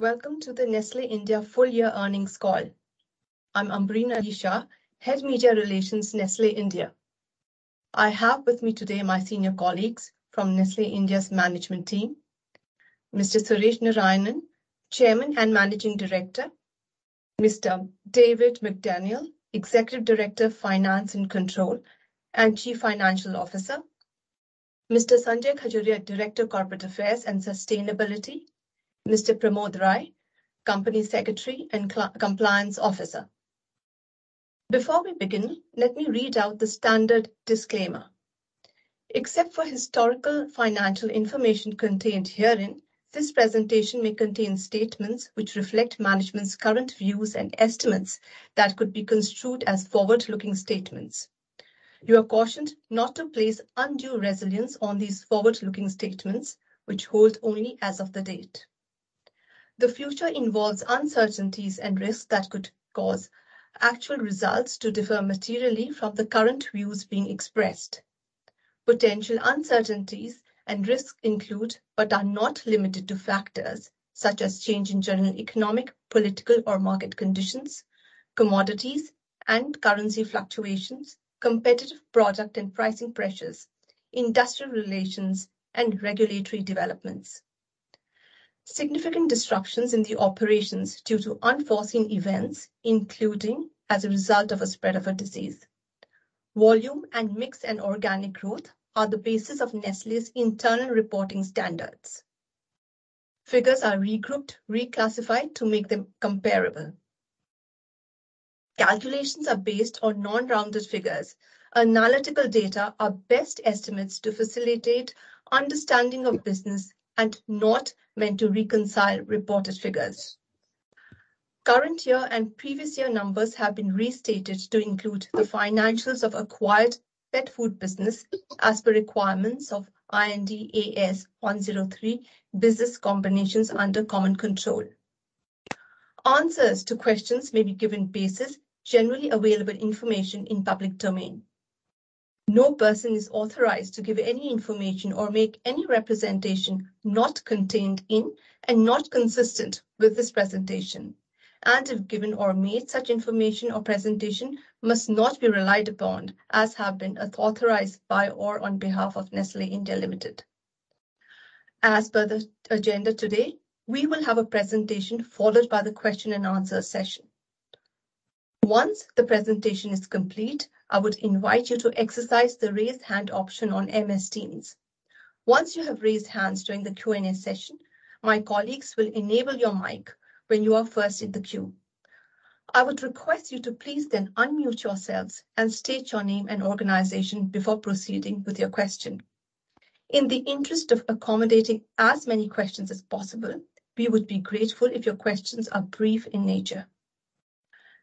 Welcome to the Nestlé India full year earnings call. I'm Ambreen Ali Shah, Head, Media Relations, Nestlé India. I have with me today my senior colleagues from Nestlé India's management team. Mr. Suresh Narayanan, Chairman and Managing Director. Mr. David McDaniel, Executive Director of Finance and Control and Chief Financial Officer. Mr. Sanjay Khajuria, Director of Corporate Affairs and Sustainability. Mr. Pramod Rai, Company Secretary and Compliance Officer. Before we begin, let me read out the standard disclaimer. Except for historical financial information contained herein, this presentation may contain statements which reflect management's current views and estimates that could be construed as forward-looking statements. You are cautioned not to place undue resilience on these forward-looking statements, which hold only as of the date. The future involves uncertainties and risks that could cause actual results to differ materially from the current views being expressed. Potential uncertainties and risks include, but are not limited to, factors such as change in general economic, political, or market conditions, commodities and currency fluctuations, competitive product and pricing pressures, industrial relations, and regulatory developments. Significant disruptions in the operations due to unforeseen events, including as a result of a spread of a disease. Volume and mix and organic growth are the basis of Nestlé's internal reporting standards. Figures are regrouped, reclassified to make them comparable. Calculations are based on non-rounded figures. Analytical data are best estimates to facilitate understanding of business, and not meant to reconcile reported figures. Current year and previous year numbers have been restated to include the financials of acquired pet food business as per requirements of Ind AS 103, Business Combinations under Common Control. Answers to questions may be given based generally available information in public domain. No person is authorized to give any information or make any representation not contained in, and not consistent with this presentation. If given or made, such information or presentation must not be relied upon as have been authorized by or on behalf of Nestlé India Limited. As per the agenda today, we will have a presentation followed by the question-and-answer session. Once the presentation is complete, I would invite you to exercise the raise hand option on MS Teams. Once you have raised hands during the Q&A session, my colleagues will enable your mic when you are first in the queue. I would request you to please then unmute yourselves, and state your name and organization before proceeding with your question. In the interest of accommodating as many questions as possible, we would be grateful if your questions are brief in nature.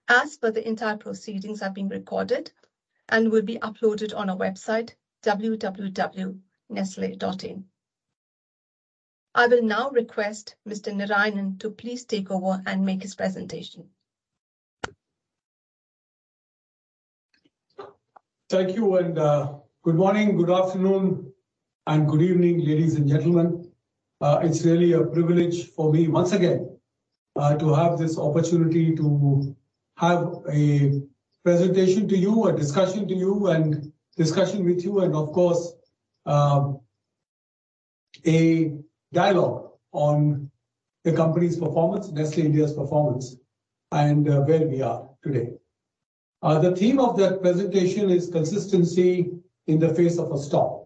As per the entire proceedings are being recorded and will be uploaded on our website, www.nestle.in. I will now request Mr. Narayanan to please take over and make his presentation. Thank you. Good morning, good afternoon, and good evening, ladies and gentlemen. It's really a privilege for me once again to have this opportunity to have a presentation to you, a discussion to you, and discussion with you and of course, a dialogue on the company's performance, Nestlé India's performance and where we are today. The theme of that presentation is consistency in the face of a storm.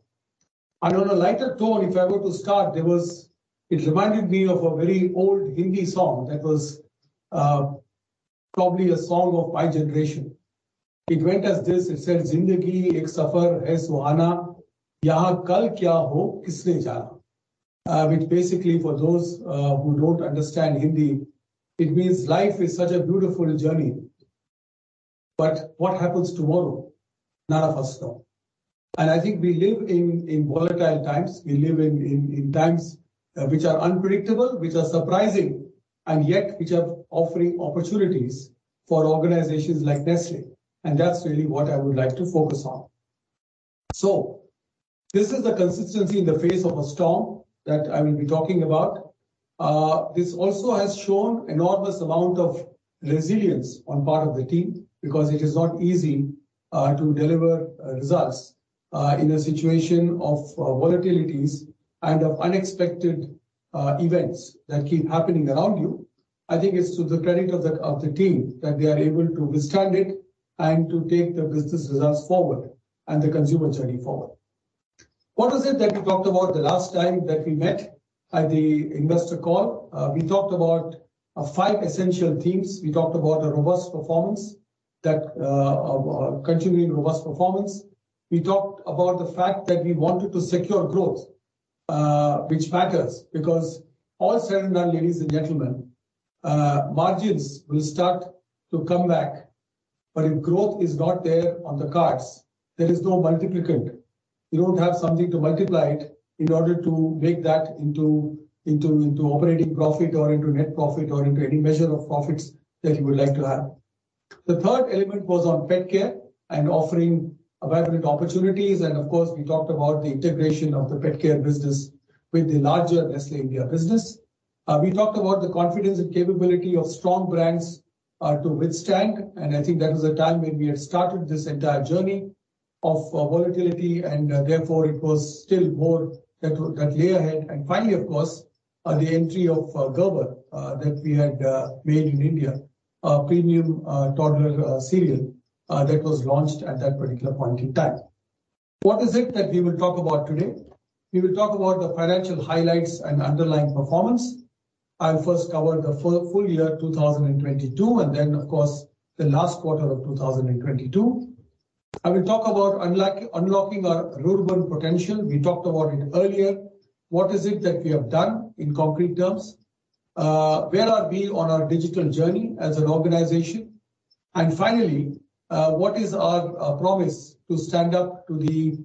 On a lighter tone, if I were to start, it reminded me of a very old Hindi song that was probably a song of my generation. It went as this. It said, "Zindagi ek safar hai suhana. Yahan kal kya ho kisne jana" Which basically for those who don't understand Hindi, it means life is such a beautiful journey, but what happens tomorrow, none of us know. I think we live in volatile times. We live in, in times, which are unpredictable, which are surprising, and yet which are offering opportunities for organizations like Nestlé, and that's really what I would like to focus on. This is the consistency in the face of a storm that I will be talking about. This also has shown enormous amount of resilience on part of the team because it is not easy to deliver results in a situation of volatilities, and of unexpected events that keep happening around you. I think it's to the credit of the, of the team that they are able to withstand it, and to take the business results forward and the consumer journey forward. What was it that we talked about the last time that we met at the investor call? We talked about five essential themes. We talked about the robust performance that continuing robust performance. We talked about the fact that we wanted to secure growth, which matters because all said and done, ladies and gentlemen, margins will start to come back. But if growth is not there on the cards, there is no multiplicand. You don't have something to multiply it in order to make that into, into operating profit or into net profit or into any measure of profits that you would like to have. The third element was on pet care and offering abundant opportunities. And of course, we talked about the integration of the pet care business with the larger Nestlé India business. We talked about the confidence and capability of strong brands to withstand, and I think that was a time when we had started this entire journey of volatility, and therefore, it was still more that lay ahead. Finally, of course, the entry of Gerber that we had made in India, a premium toddler cereal that was launched at that particular point in time. What is it that we will talk about today? We will talk about the financial highlights and underlying performance. I'll first cover the full year 2022, and then of course, the last quarter of 2022. I will talk about unlocking our rural potential. We talked about it earlier. What is it that we have done in concrete terms? Where are we on our digital journey as an organization? Finally, what is our promise to stand up to the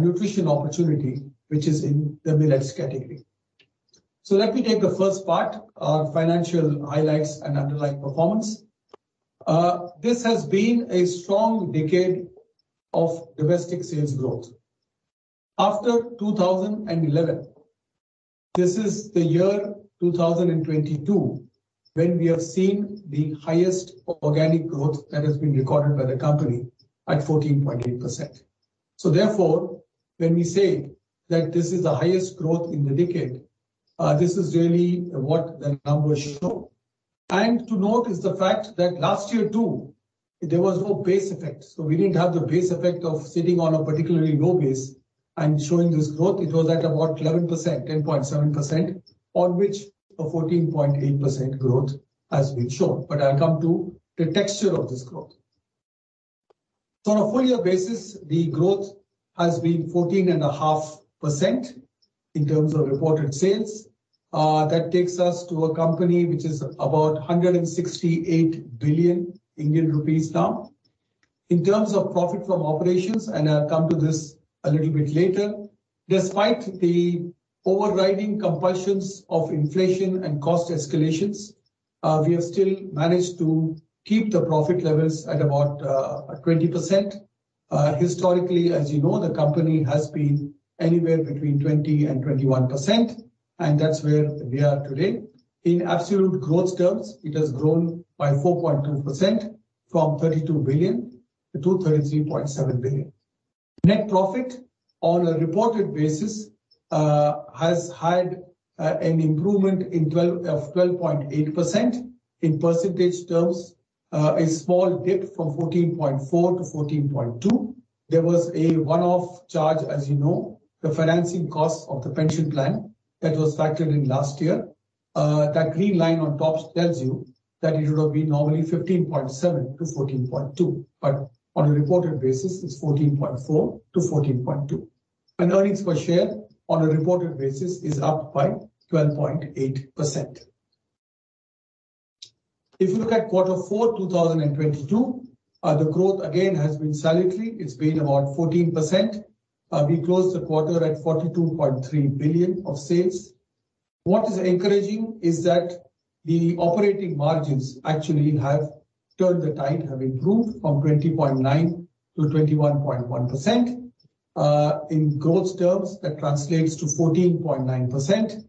nutrition opportunity which is in the millets category? Let me take the first part, our financial highlights and underlying performance. This has been a strong decade of domestic sales growth. After 2011, this is the year 2022 when we have seen the highest organic growth that has been recorded by the company at 14.8%. Therefore, when we say that this is the highest growth in the decade, this is really what the numbers show. To note is the fact that last year too, there was no base effect. We didn't have the base effect of sitting on a particularly low base and showing this growth. It was at about 11%, 10.7%, on which a 14.8% growth has been shown. I'll come to the texture of this growth. On a full year basis, the growth has been 14.5% in terms of reported sales. That takes us to a company which is about 168 billion Indian rupees now. In terms of profit from operations, and I'll come to this a little bit later, despite the overriding compulsions of inflation and cost escalations, we have still managed to keep the profit levels at about 20%. Historically, as you know, the company has been anywhere between 20% and 21%, and that's where we are today. In absolute growth terms, it has grown by 4.2% from 32 billion-33.7 billion. Net profit on a reported basis has had an improvement in 12.8%. In percentage terms, a small dip from 14.4%-14.2%. There was a one-off charge, as you know, the financing cost of the pension plan that was factored in last year. That green line on top tells you that it would have been normally 15.7%-14.2%, but on a reported basis, it's 14.4%-14.2%. Earnings per share on a reported basis is up by 12.8%. If you look at Q4 2022, the growth again has been salutary. It's been about 14%. We closed the quarter at 42.3 billion of sales. What is encouraging is that the operating margins actually have turned the tide, have improved from 20.9%-21.1%. In growth terms, that translates to 14.9%.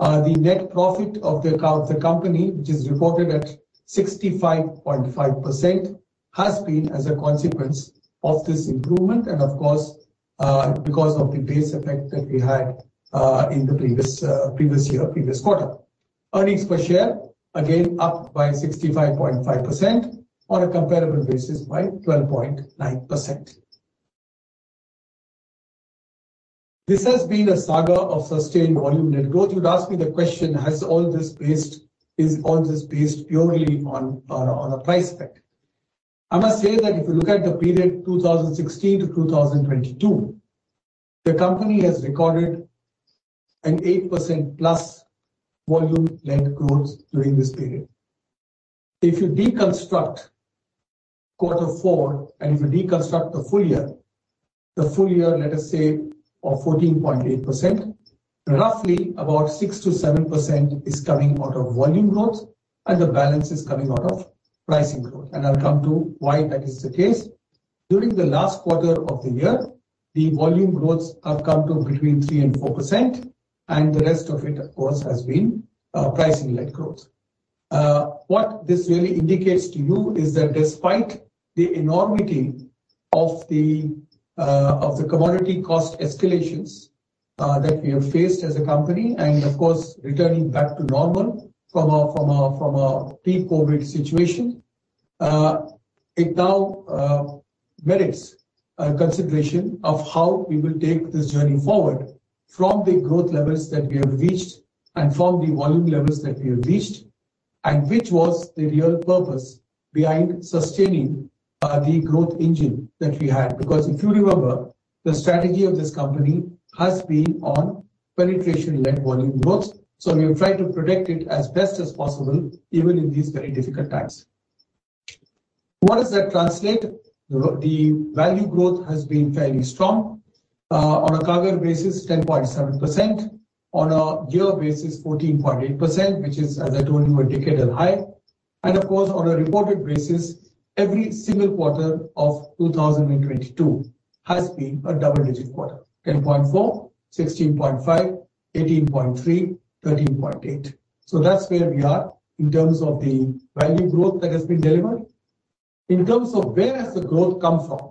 The net profit of the company, which is reported at 65.5%, has been as a consequence of this improvement nd of course, because of the base effect that we had in the previous year, previous quarter. Earnings per share again up by 65.5% on a comparable basis by 12.9%. This has been a saga of sustained volume led growth. You'd ask me the question, "Has all this based... Is all this based purely on a price pack?" I must say that if you look at the period 2016-2022, the company has recorded an 8%+ volume led growth during this period. If you deconstruct quarter four, if you deconstruct the full year, the full year, let us say, of 14.8%, roughly about 6%-7% is coming out of volume growth and the balance is coming out of pricing growth. I'll come to why that is the case. During the last quarter of the year, the volume growths have come to between 3%-4%, and the rest of it, of course, has been pricing-led growth. What this really indicates to you is that despite the enormity of the commodity cost escalations that we have faced as a company and of course, returning back to normal from a peak COVID situation, it now merits a consideration of how we will take this journey forward from the growth levels that we have reached and from the volume levels that we have reached, and which was the real purpose behind sustaining the growth engine that we had. If you remember, the strategy of this company has been on penetration-led volume growth. We have tried to protect it as best as possible, even in these very difficult times. What does that translate? The value growth has been fairly strong. On a cover basis, 10.7%. On a year basis, 14.8%, which is, as I told you, a decadal high. Of course, on a reported basis, every single quarter of 2022 has been a double-digit quarter. 10.4%, 16.5%, 18.3%, 13.8%. That's where we are in terms of the value growth that has been delivered. In terms of where has the growth come from.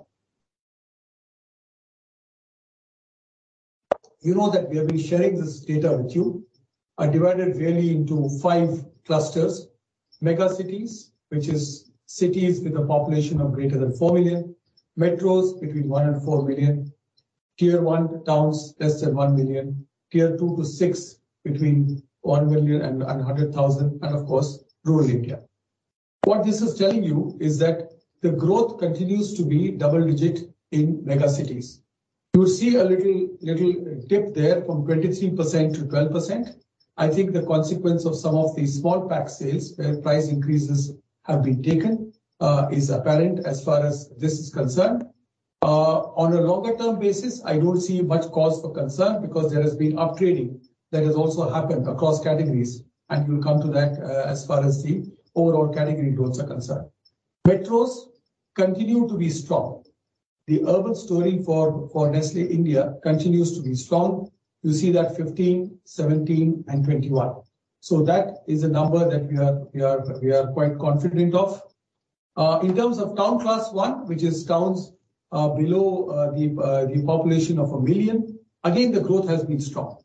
You know that we have been sharing this data with you, and divide it really into five clusters. Megacities, which is cities with a population of greater than 4 million. Metros between 1 and 4 million. Tier 1 towns less than 1 million. Tier 2 to 6 between 1 million and 100,000. Of course, rural India. What this is telling you is that the growth continues to be double digit in megacities. You see a little dip there from 23-12%. I think the consequence of some of these small pack sales, where price increases have been taken, is apparent as far as this is concerned. On a longer term basis, I don't see much cause for concern because there has been up-trading that has also happened across categories. We'll come to that as far as the overall category growth are concerned. Metros continue to be strong. The urban story for Nestlé India continues to be strong. You see that 15%, 17%, and 21%. So that is a number that we are quite confident of. In terms of town class one, which is towns below the population of 1 million. Again, the growth has been strong.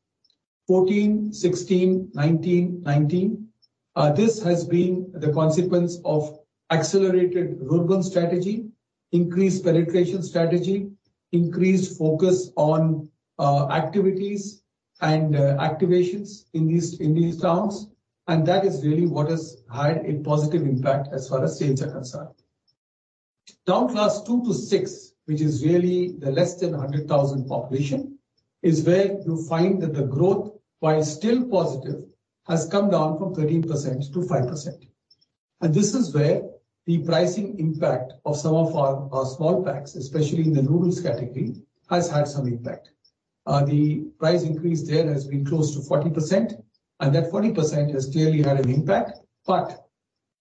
14%, 16%, 19%, 19%. This has been the consequence of accelerated rural strategy, increased penetration strategy, increased focus on activities and activations in these towns. That is really what has had a positive impact as far as sales are concerned. Town class two to six, which is really the less than 100,000 population, is where you find that the growth, while still positive, has come down from 13%-5%. This is where the pricing impact of some of our small packs, especially in the rurals category, has had some impact. The price increase there has been close to 40%, and that 40% has clearly had an impact, but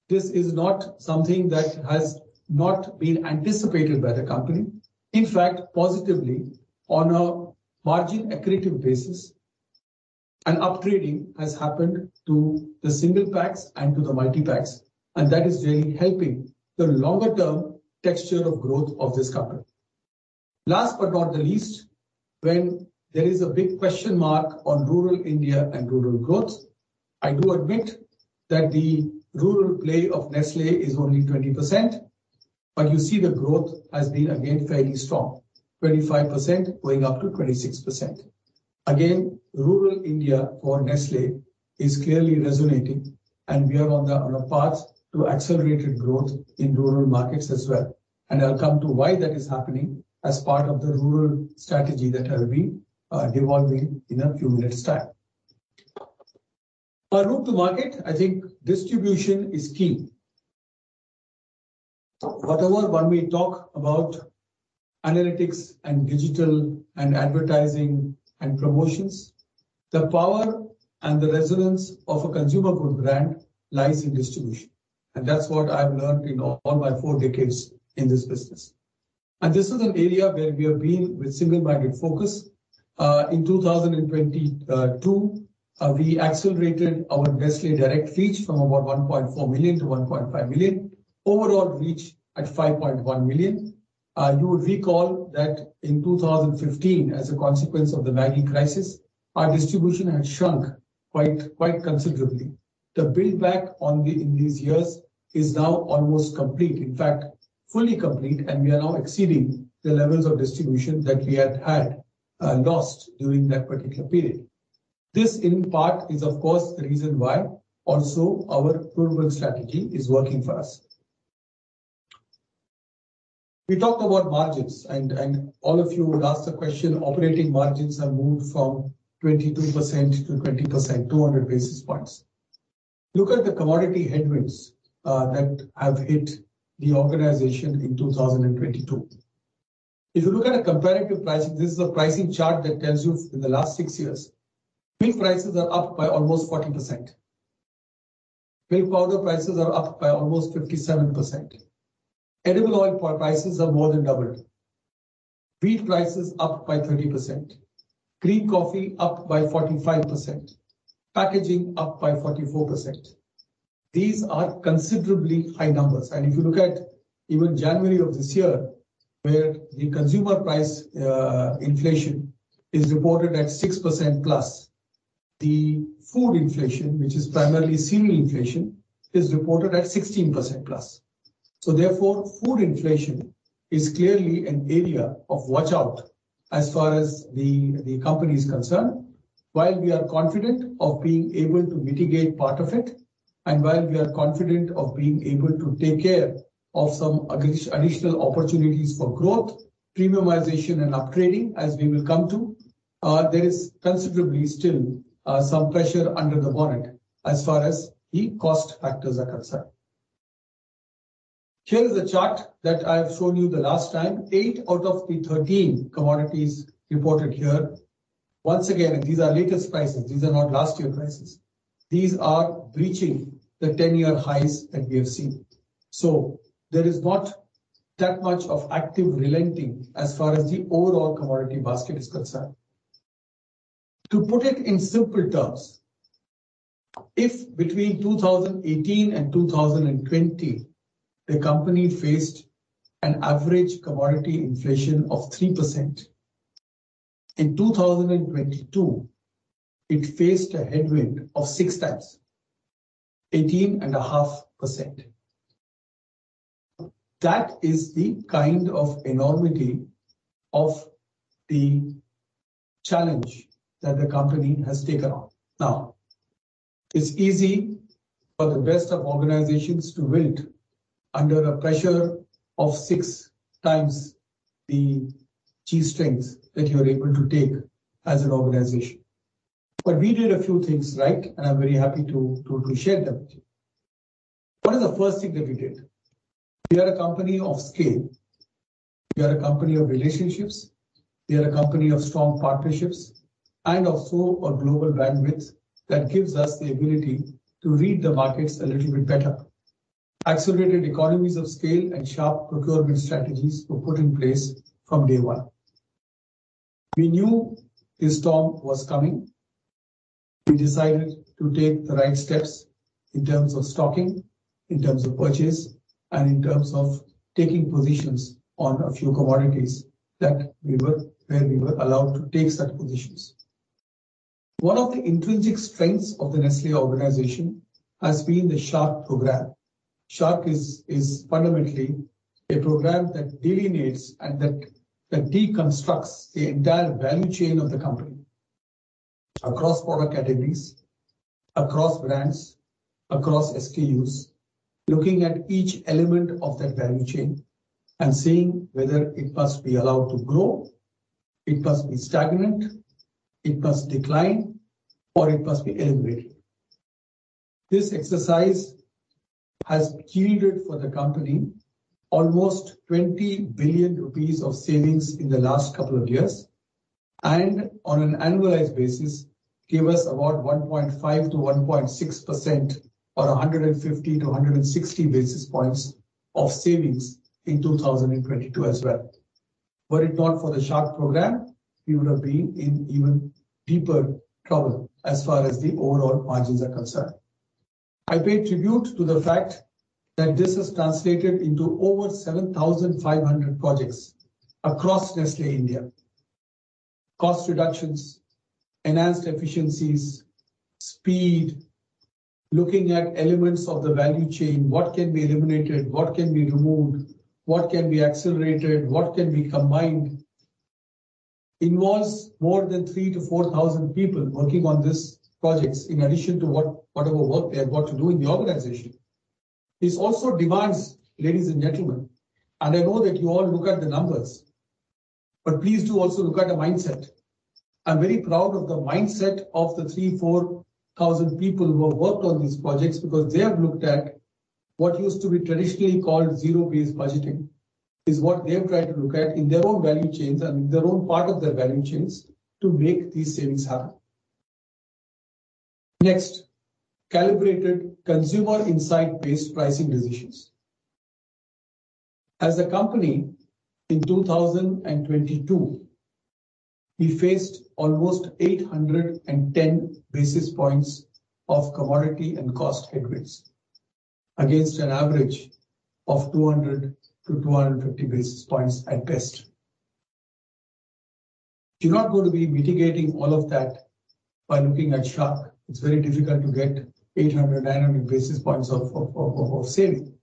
this is not something that has not been anticipated by the company. In fact, positively, on a margin accretive basis, an up-trading has happened to the single packs and to the multi-packs. That is really helping the longer term texture of growth of this company. Last but not the least, when there is a big question mark on rural India and rural growth, I do admit that the rural play of Nestlé is only 20%. You see the growth has been again, fairly strong, 25%, going up to 26%. Again, rural India for Nestlé is clearly resonating and we are on a path to accelerated growth in rural markets as well. I'll come to why that is happening as part of the rural strategy that I'll be divulging in a few minutes' time. Our route to market, I think distribution is key. Whatever when we talk about analytics and digital and advertising and promotions, the power and the resonance of a consumer good brand lies in distribution, and that's what I've learnt in all my four decades in this business. This is an area where we have been with single-minded focus. In 2022, we accelerated our Nestlé Direct reach from about 1.4 million-1.5 million. Overall reach at 5.1 million. You would recall that in 2015, as a consequence of the Maggi crisis, our distribution had shrunk quite considerably. The build back in these years is now almost complete. In fact, fully complete, and we are now exceeding the levels of distribution that we had lost during that particular period. This, in part, is of course, the reason why also our rural strategy is working for us. We talked about margins and all of you would ask the question, operating margins have moved from 22%-20%, 200 basis points. Look at the commodity headwinds that have hit the organization in 2022. If you look at a comparative pricing, this is a pricing chart that tells you in the last six years, milk prices are up by almost 40%. Milk powder prices are up by almost 57%. Edible oil prices have more than doubled. Wheat prices up by 30%. Green coffee up by 45%. Packaging up by 44%. These are considerably high numbers. If you look at even January of this year, where the consumer price, inflation is reported at 6%+, the food inflation, which is primarily cereal inflation, is reported at 16%+. Therefore, food inflation is clearly an area of watch out as far as the company is concerned. While we are confident of being able to mitigate part of it, and while we are confident of being able to take care of some additional opportunities for growth, premiumization and up-trading as we will come to. There is considerably still, some pressure under the bonnet as far as the cost factors are concerned. Here is a chart that I've shown you the last time. Eight out of the 13 commodities reported here. Once again, these are latest prices. These are not last year prices. These are breaching the 10-year highs that we have seen. There is not that much of active relenting as far as the overall commodity basket is concerned. To put it in simple terms, if between 2018 and 2020, the company faced an average commodity inflation of 3%, in 2022, it faced a headwind of, 18.5%. That is the kind of enormity of the challenge that the company has taken on. It's easy for the rest of organizations to wilt under the pressure of 6x the G strengths that you are able to take as an organization. We did a few things right, and I'm very happy to share them with you. One of the first thing that we did, we are a company of scale. We are a company of relationships. We are a company of strong partnerships and also a global bandwidth that gives us the ability to read the markets a little bit better. Accelerated economies of scale and sharp procurement strategies were put in place from day one. We knew a storm was coming. We decided to take the right steps in terms of stocking, in terms of purchase, and in terms of taking positions on a few commodities where we were allowed to take such positions. One of the intrinsic strengths of the Nestlé organization has been the SHARC program. SHARC is fundamentally a program that delineates and that deconstructs the entire value chain of the company across product categories, across brands, across SKUs, looking at each element of that value chain and seeing whether it must be allowed to grow, it must be stagnant, it must decline, or it must be elevated. This exercise has yielded for the company almost 20 billion rupees of savings in the last couple of years, on an annualized basis, gave us about 1.5%-1.6% or 150-160 basis points of savings in 2022 as well. Were it not for the SHARC program, we would have been in even deeper trouble as far as the overall margins are concerned. I pay tribute to the fact that this has translated into over 7,500 projects across Nestlé India. Cost reductions, enhanced efficiencies, speed, looking at elements of the value chain, what can be eliminated, what can be removed, what can be accelerated, what can be combined, involves more than 3,000-4,000 people working on these projects in addition to whatever work they have got to do in the organization. This also demands, ladies and gentlemen. I know that you all look at the numbers, please do also look at the mindset. I'm very proud of the mindset of the 3,000-4,000 people who have worked on these projects because they have looked at what used to be traditionally called zero-based budgeting, is what they've tried to look at in their own value chains and in their own part of their value chains to make these savings happen. Next, calibrated consumer insight-based pricing decisions. As a company, in 2022, we faced almost 810 basis points of commodity and cost headwinds against an average of 200-250 basis points at best. You're not going to be mitigating all of that by looking at SHARC. It's very difficult to get 800 dynamic basis points of saving.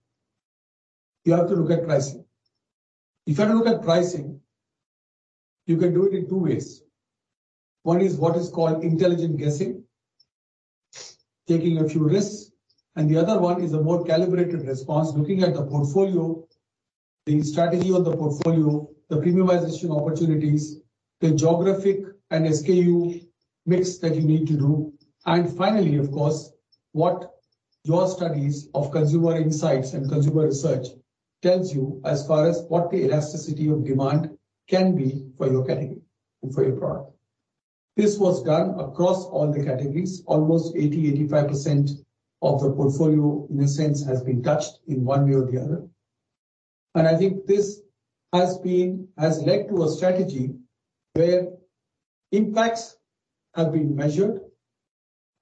You have to look at pricing. If you look at pricing, you can do it in two ways. One is what is called intelligent guessing, taking a few risks, and the other one is a more calibrated response, looking at the portfolio, the strategy of the portfolio, the premiumization opportunities, the geographic and SKU mix that you need to do, and finally, of course, what your studies of consumer insights and consumer research tells you as far as what the elasticity of demand can be for your category and for your product. This was done across all the categories. Almost 80%-85% of the portfolio, in a sense, has been touched in one way or the other. I think this has led to a strategy where impacts have been measured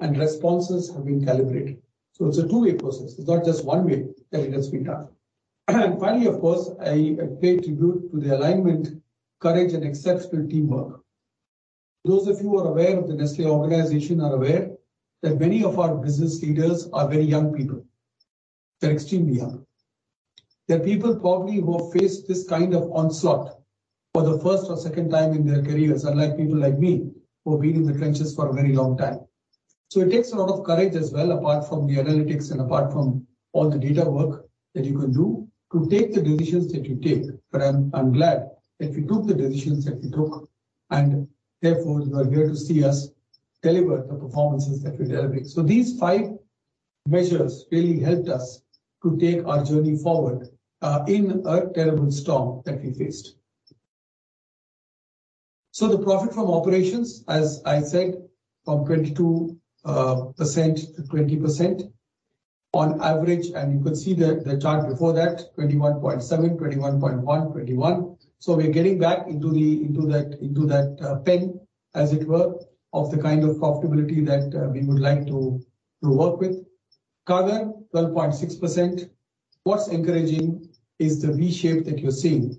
and responses have been calibrated. It's a two-way process. It's not just one way that it has been done. Finally, of course, I pay tribute to the alignment, courage, and exceptional teamwork. Those of you who are aware of the Nestlé organization are aware that many of our business leaders are very young people. They're extremely young. They're people probably who have faced this kind of onslaught for the first or second time in their careers, unlike people like me who have been in the trenches for a very long time. It takes a lot of courage as well, apart from the analytics and apart from all the data work that you can do, to take the decisions that you take. I'm glad that we took the decisions that we took, therefore, you are here to see us deliver the performances that we're delivering. These five measures really helped us to take our journey forward in a terrible storm that we faced. The profit from operations, as I said, from 22%-20% on average, and you could see the chart before that, 21.7%, 21.1%, 21%. We're getting back into that, into that pen, as it were, of the kind of profitability that we would like to work with. CAGR 12.6%. What's encouraging is the V shape that you're seeing.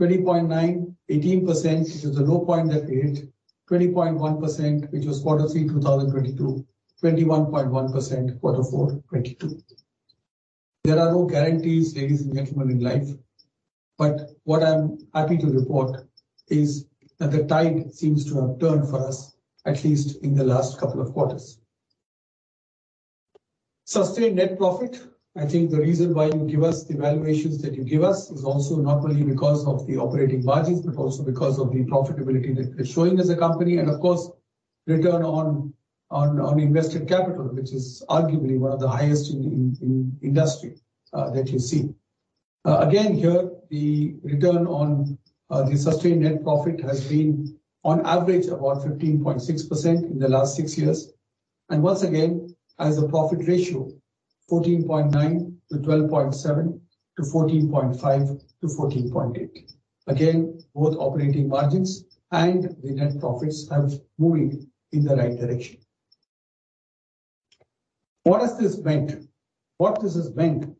20.9%, 18%, which is the low point that we hit. 20.1%, which was quarter three 2022. 21.1%, quarter four 2022. There are no guarantees, ladies and gentlemen, in life, but what I'm happy to report is that the tide seems to have turned for us, at least in the last couple of quarters. Sustained net profit. I think the reason why you give us the valuations that you give us is also not only because of the operating margins, but also because of the profitability that we're showing as a company and of course, return on invested capital, which is arguably one of the highest in industry that you see. Again, here, the return on the sustained net profit has been on average about 15.6% in the last six years. Once again, as a profit ratio, 14.9-12.7% to 14.5%-14.8%. Both operating margins and the net profits have moving in the right direction. What has this meant? What this has meant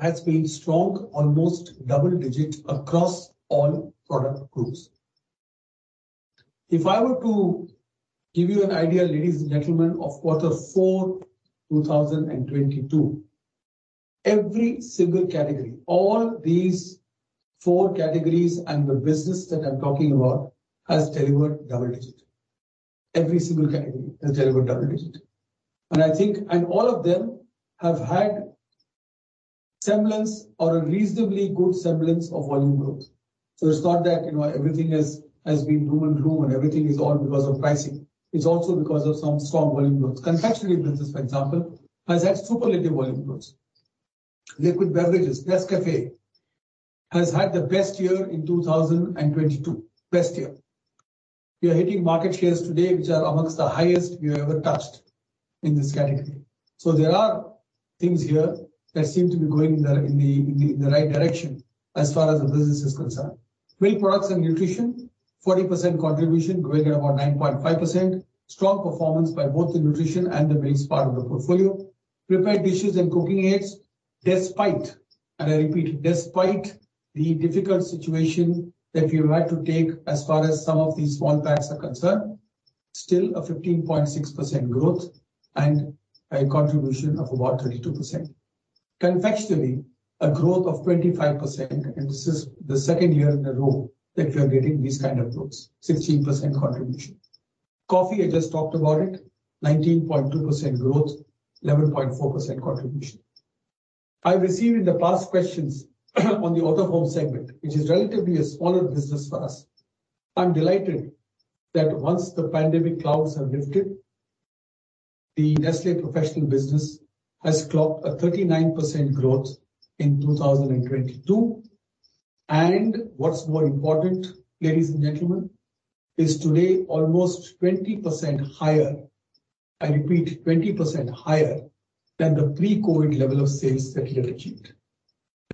has been strong, almost double-digit across all product groups. If I were to give you an idea, ladies and gentlemen, of Q4 2022, every single category, all these four categories and the business that I'm talking about has delivered double-digit. Every single category has delivered double-digit. I think, all of them have had semblance or a reasonably good semblance of volume growth. It's not that, you know, everything has been doom and gloom and everything is all because of pricing. It's also because of some strong volume growth. Confectionery business, for example, has had superlative volume growth. Liquid beverages, Nescafé, has had the best year in 2022. Best year. We are hitting market shares today which are amongst the highest we've ever touched in this category. There are things here that seem to be going in the right direction as far as the business is concerned. Milk products and nutrition, 40% contribution, growing at about 9.5%. Strong performance by both the nutrition and the milk part of the portfolio. Prepared dishes and cooking aids, despite, and I repeat, despite the difficult situation that we've had to take as far as some of these small packs are concerned, still a 15.6% growth and a contribution of about 32%. Confectionery, a growth of 25%, and this is the second year in a row that we are getting these kind of growths. 16% contribution. Coffee, I just talked about it, 19.2% growth, 11.4% contribution. I've received in the past questions on the Out-of-Home segment, which is relatively a smaller business for us. I'm delighted that once the pandemic clouds have lifted, the Nestlé Professional business has clocked a 39% growth in 2022. And what's more important, ladies and gentlemen, is today almost 20% higher, I repeat, 20% higher than the pre-COVID level of sales that we have achieved.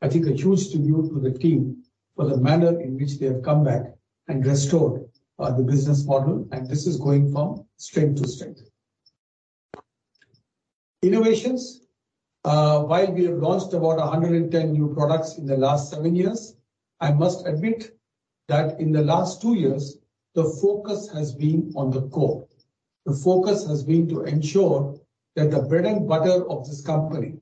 I think a huge tribute to the team for the manner in which they have come back and restored the business model, and this is going from strength to strength. Innovations. While we have launched about 110 new products in the last seven years, I must admit that in the last two years, the focus has been on the core. The focus has been to ensure that the bread and butter of this company,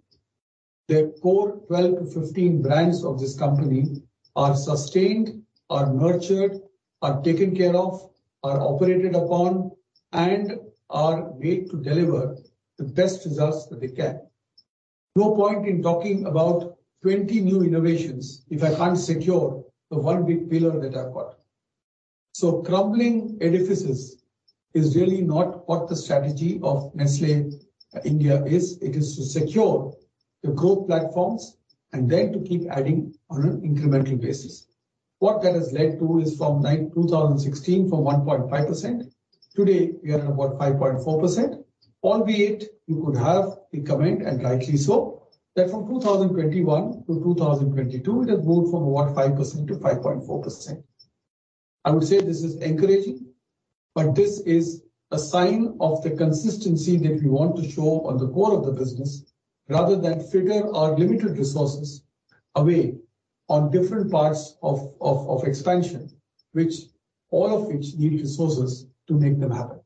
the core 12 to 15 brands of this company, are sustained, are nurtured, are taken care of, are operated upon, and are made to deliver the best results that they can. No point in talking about 20 new innovations if I can't secure the one big pillar that I've got. Crumbling edifices is really not what the strategy of Nestlé India is. It is to secure the growth platforms and then to keep adding on an incremental basis. What that has led to is from 2016 from 1.5%, today we are at about 5.4%. Albeit you could have a comment, and rightly so, that from 2021-2022, it has grown from about 5%-5.4%. I would say this is encouraging, but this is a sign of the consistency that we want to show on the core of the business rather than figure our limited resources away on different parts of expansion, which all of which need resources to make them happen.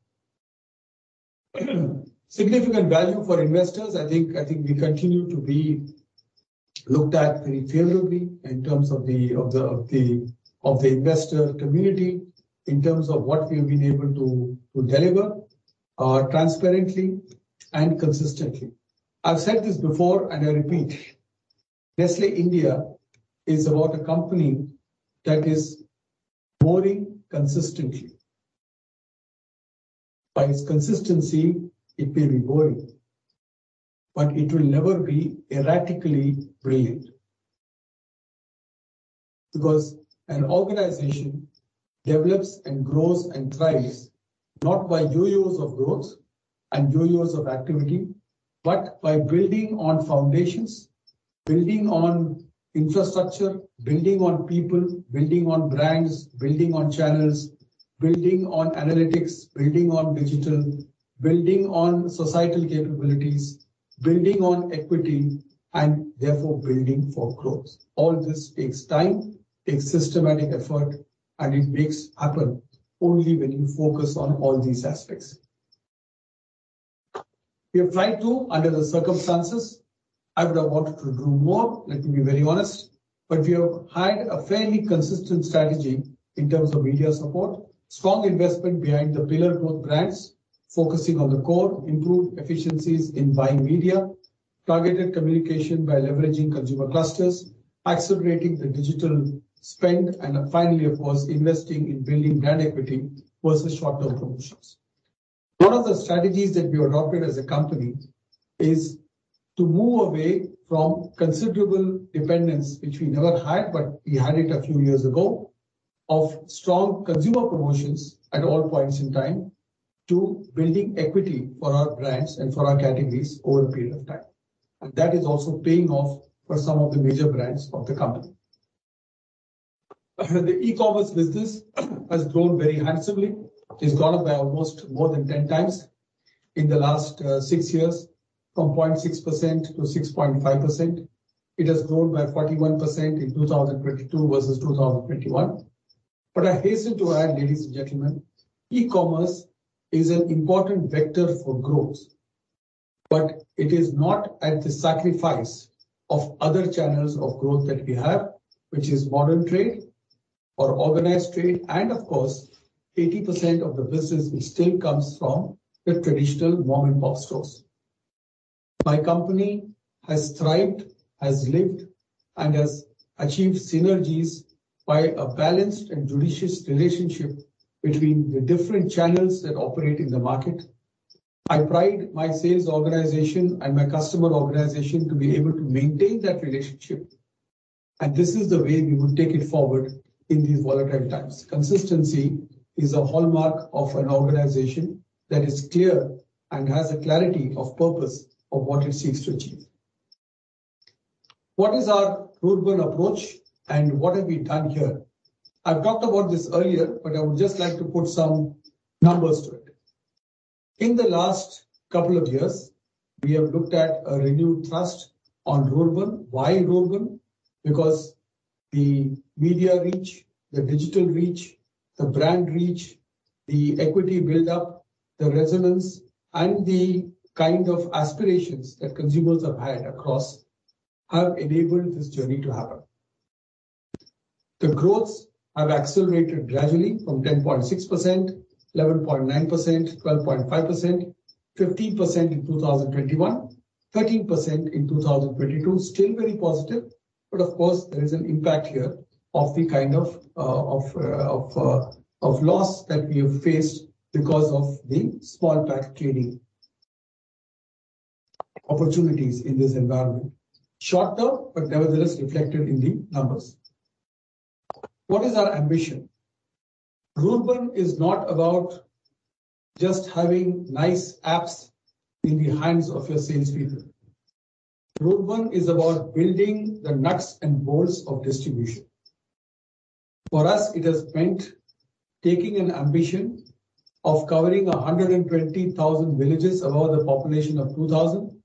Significant value for investors, I think we continue to be looked at very favorably in terms of the investor community, in terms of what we've been able to deliver transparently and consistently. I've said this before, I repeat, Nestlé India is about a company that is boring consistently. By its consistency, it may be boring, but it will never be erratically brilliant. An organization develops and grows and thrives not by yo-yos of growth and yo-yos of activity, but by building on foundations, building on infrastructure, building on people, building on brands, building on channels, building on analytics, building on digital, building on societal capabilities, building on equity, and therefore building for growth. All this takes time, takes systematic effort, and it makes happen only when you focus on all these aspects. We have tried to under the circumstances. I would have wanted to do more, let me be very honest, but we have had a fairly consistent strategy in terms of media support. Strong investment behind the pillar growth brands, focusing on the core, improved efficiencies in buying media, targeted communication by leveraging consumer clusters, accelerating the digital spend, and finally, of course, investing in building brand equity versus short-term promotions. One of the strategies that we adopted as a company is to move away from considerable dependence, which we never had, but we had it a few years ago, of strong consumer promotions at all points in time to building equity for our brands and for our categories over a period of time. That is also paying off for some of the major brands of the company. The e-commerce business has grown very handsomely. It's gone up by almost more than 10 times in the last six years from 0.6% -6.5%. It has grown by 41% in 2022 versus 2021. I hasten to add, ladies and gentlemen, e-commerce is an important vector for growth, but it is not at the sacrifice of other channels of growth that we have, which is modern trade or organized trade, and of course, 80% of the business still comes from the traditional mom-and-pop stores. My company has thrived, has lived, and has achieved synergies by a balanced and judicious relationship between the different channels that operate in the market. I pride my sales organization and my customer organization to be able to maintain that relationship, and this is the way we will take it forward in these volatile times. Consistency is a hallmark of an organization that is clear, and has a clarity of purpose of what it seeks to achieve. What is our rural approach and what have we done here? I've talked about this earlier, but I would just like to put some numbers to it. In the last couple of years, we have looked at a renewed thrust on rural. Why rural? Because the media reach, the digital reach, the brand reach, the equity build-up, the resonance, and the kind of aspirations that consumers have had across have enabled this journey to happen. The growth have accelerated gradually from 10.6%, 11.9%, 12.5%, 15% in 2021, 13% in 2022. Still very positive, but of course there is an impact here of the kind of loss that we have faced because of the small pack KDI. Opportunities in this environment. Short-term, but nevertheless reflected in the numbers. What is our ambition? Rural is not about just having nice apps in the hands of your salespeople. Rural is about building the nuts and bolts of distribution. For us, it has meant taking an ambition of covering 120,000 villages above a population of 2,000,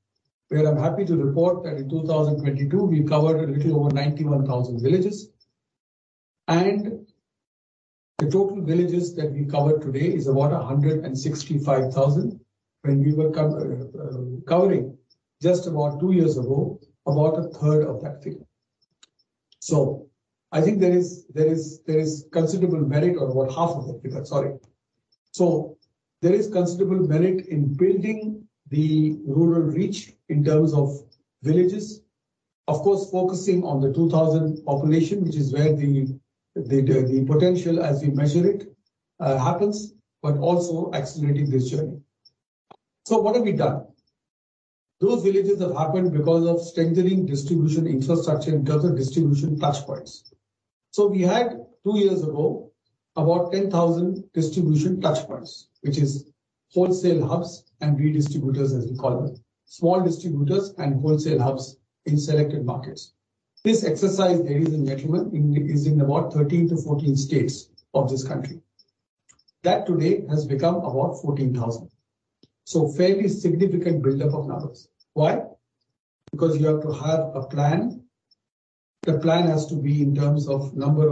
where I'm happy to report that in 2022 we covered a little over 91,000 villages. The total villages that we cover today is about 165,000. When we were covering just about two years ago, about a third of that figure. I think there is considerable merit. Or about half of it, in fact. Sorry. There is considerable merit in building the rural reach in terms of villages. Focusing on the 2,000 population, which is where the potential as we measure it happens, but also accelerating this journey. What have we done? Those villages have happened because of strengthening distribution infrastructure in terms of distribution touchpoints. We had two years ago, about 10,000 distribution touchpoints, which is wholesale hubs and redistributors, as we call them. Small distributors and wholesale hubs in selected markets. This exercise, ladies and gentlemen, is in about 13-14 states of this country. That today has become about 14,000. Fairly significant buildup of numbers. Why? You have to have a plan. The plan has to be in terms of number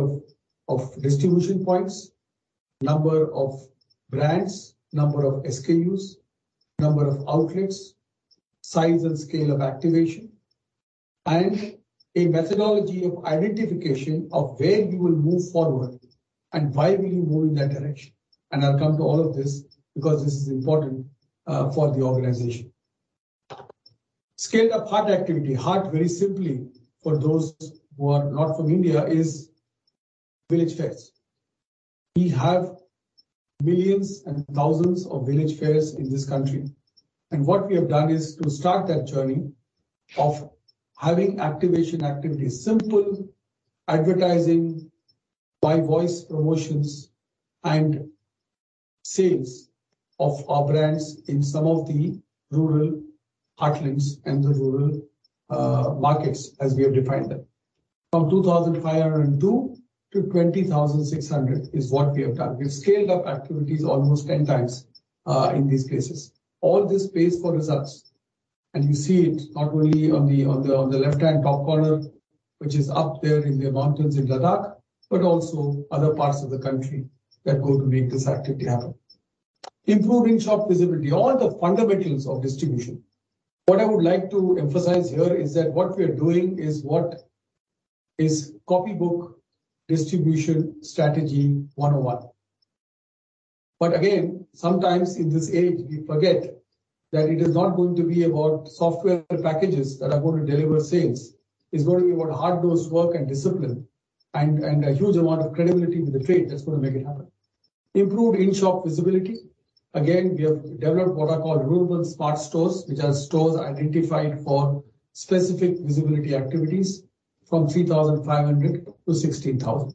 of distribution points, number of brands, number of SKUs, number of outlets, size and scale of activation, and a methodology of identification of where you will move forward, and why will you move in that direction. I'll come to all of this because this is important for the organization. Scaled-up HAAT activity. HAAT, very simply, for those who are not from India, is village fairs. We have millions and thousands of village fairs in this country, and what we have done is to start that journey of having activation activities, simple advertising by voice promotions and sales of our brands in some of the rural heartlands and the rural markets as we have defined them. From 2,502 to 20,600 is what we have done. We've scaled up activities almost 10x in these cases. All this pays for results, and you see it not only on the left-hand top corner, which is up there in the mountains in Ladakh, but also other parts of the country that go to make this activity happen. Improving shop visibility, all the fundamentals of distribution. What I would like to emphasize here is that what we are doing is what is copybook distribution strategy 101. Again, sometimes in this age, we forget that it is not going to be about software packages that are going to deliver sales. It's going to be about hard-nosed work and discipline and a huge amount of credibility with the trade that's going to make it happen. Improved in-shop visibility. We have developed what are called rural smart stores, which are stores identified for specific visibility activities from 3,500-16,000.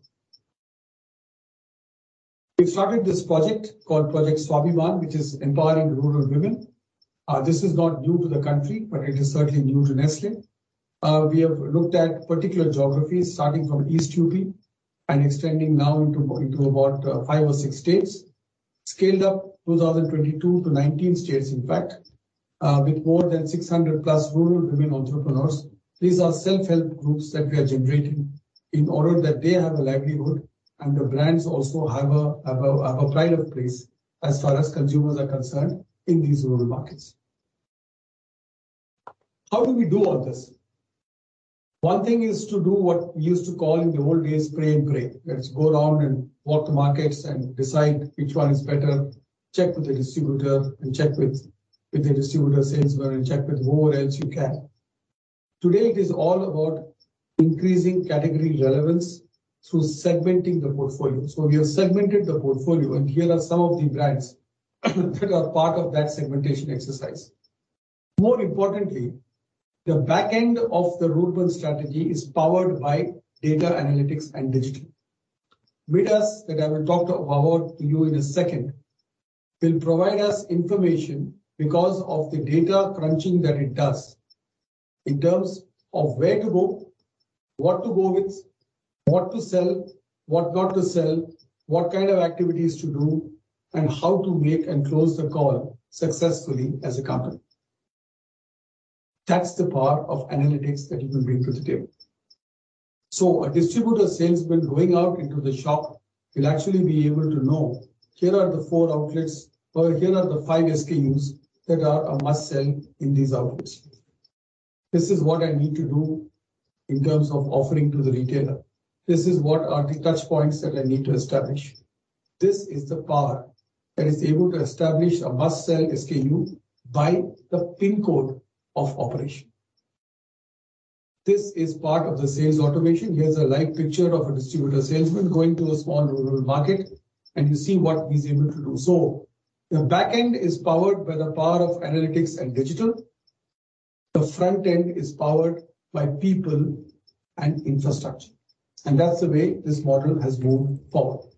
We've started this project called Project Swabhimaan, which is empowering rural women. This is not new to the country, but it is certainly new to Nestlé. We have looked at particular geographies starting from East UP and extending now into about five or six states. Scaled up, 2022, to 19 states, in fact. With more than 600+ rural women entrepreneurs. These are self-help groups that we are generating in order that they have a livelihood and the brands also have a pride of place as far as consumers are concerned in these rural markets. How do we do all this? One thing is to do what we used to call in the old days, pray and pray. Let's go around and walk the markets and decide which one is better, check with the distributor and check with the distributor salesman and check with whoever else you can. Today, it is all about increasing category relevance through segmenting the portfolio. We have segmented the portfolio, and here are some of the brands that are part of that segmentation exercise. More importantly, the back end of the rural strategy is powered by data analytics and digital. VIDAS, that I will talk about to you in a second, will provide us information because of the data crunching that it does in terms of where to go, what to go with, what to sell, what not to sell, what kind of activities to do, and how to make and close the call successfully as a company. That's the power of analytics that it will bring to the table. A distributor salesman going out into the shop will actually be able to know here are the four outlets or here are the five SKUs that are a must-sell in these outlets. This is what I need to do in terms of offering to the retailer. This is what are the touch points that I need to establish. This is the power that is able to establish a must-sell SKU by the pin code of operation. This is part of the sales automation. Here's a live picture of a distributor salesman going to a small rural market, and you see what he's able to do. The back end is powered by the power of analytics and digital. The front end is powered by people and infrastructure, and that's the way this model has moved forward.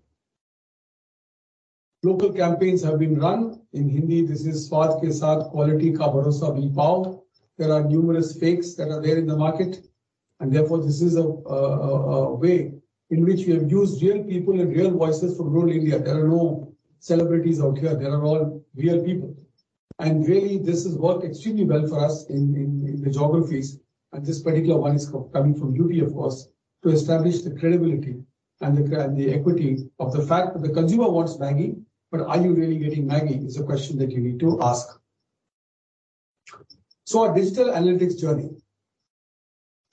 Local campaigns have been run. In Hindi, this is "Swaad ke saath quality ka bharosa bhi pao". There are numerous fakes that are there in the market and therefore this is a way in which we have used real people and real voices from rural India. There are no celebrities out here. They are all real people. Really this has worked extremely well for us in the geographies, and this particular one is coming from UP, of course, to establish the credibility and the equity of the fact that the consumer wants Maggi. Are you really getting Maggi is a question that you need to ask. Our digital analytics journey.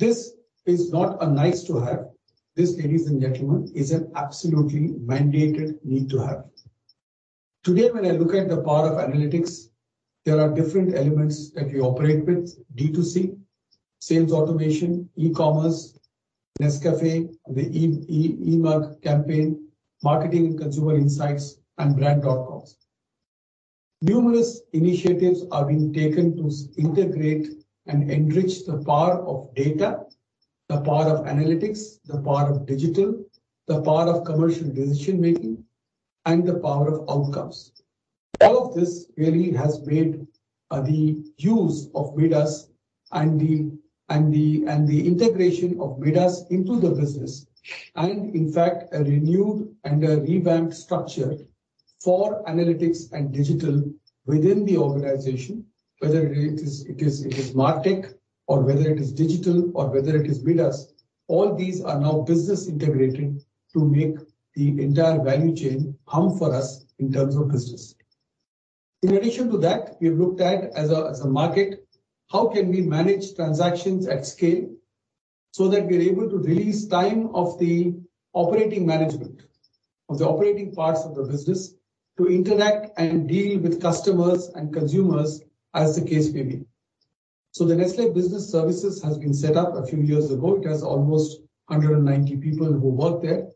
This is not a nice to have. This, ladies and gentlemen, is an absolutely mandated need to have. Today, when I look at the power of analytics, there are different elements that we operate with. D2C, sales automation, e-commerce, Nescafé, the EMUG campaign, marketing and consumer insights, and brand.coms. Numerous initiatives are being taken to integrate and enrich the power of data, the power of analytics, the power of digital, the power of commercial decision-making, and the power of outcomes. All of this really has made the use of VIDAS, and the integration of VIDAS into the business and in fact a renewed and a revamped structure for analytics and digital within the organization, whether it is MarTech or whether it is digital or whether it is with us, all these are now business integrated to make the entire value chain hum for us in terms of business. In addition to that, we've looked at as a market, how can we manage transactions at scale so that we are able to release time of the operating management, of the operating parts of the business to interact and deal with customers and consumers as the case may be. The Nestlé Business Services has been set up a few years ago. It has almost 190 people who work there.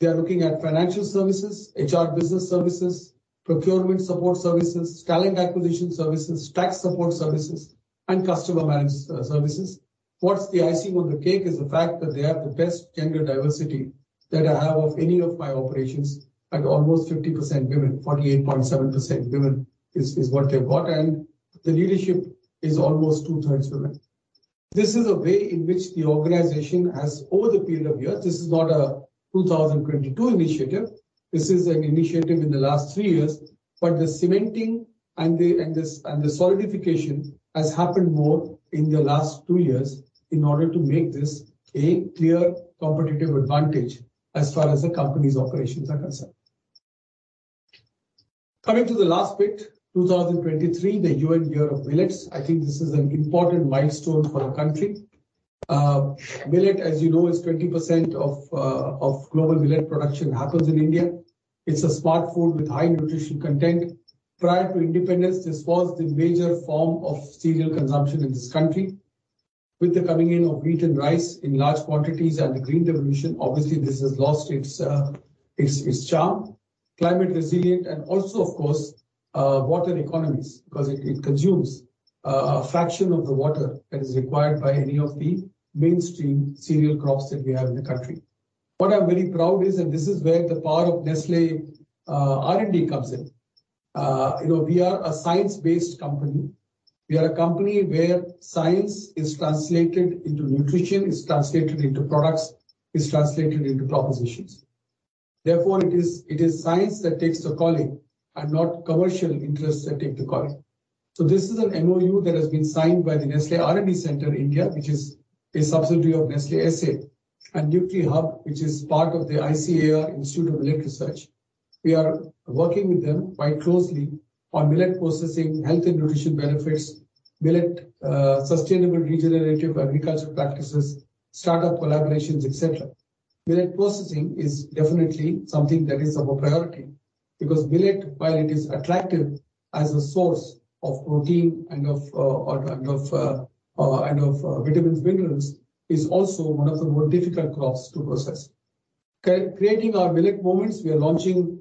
They are looking at financial services, HR business services, procurement support services, talent acquisition services, tax support services, and customer manage services. What's the icing on the cake is the fact that they have the best gender diversity that I have of any of my operations at almost 50% women. 48.7% women is what they've got, and the leadership is almost 2/3 women. This is a way in which the organization has over the period of years. This is not a 2022 initiative, this is an initiative in the last three years, but the cementing and the solidification has happened more in the last years in order to make this a clear competitive advantage as far as the company's operations are concerned. Coming to the last bit, 2023, the UN year of millets. I think this is an important milestone for our country. Millet, as you know, is 20% of global millet production happens in India. It's a smart food with high nutrition content. Prior to independence, this was the major form of cereal consumption in this country. With the coming in of wheat and rice in large quantities and the Green Revolution, obviously this has lost its charm. Climate resilient and also of course, water economies 'cause it consumes a fraction of the water that is required by any of the mainstream cereal crops that we have in the country. What I'm very proud is, and this is where the power of Nestlé R&D comes in. You know, we are a science-based company. We are a company where science is translated into nutrition, is translated into products, is translated into propositions. Therefore, it is science that takes the calling and not commercial interests that take the calling. This is an MoU that has been signed by the Nestlé R&D Centre India, which is a subsidiary of Nestlé S.A., and Nutrihub, which is part of the ICAR-Indian Institute of Millets Research. We are working with them quite closely on millet processing, health and nutrition benefits, millet, sustainable regenerative agriculture practices, startup collaborations, et cetera. Millet processing is definitely something that is of a priority because millet, while it is attractive as a source of protein and of vitamins, minerals, is also one of the more difficult crops to process. Creating our millet moments, we are launching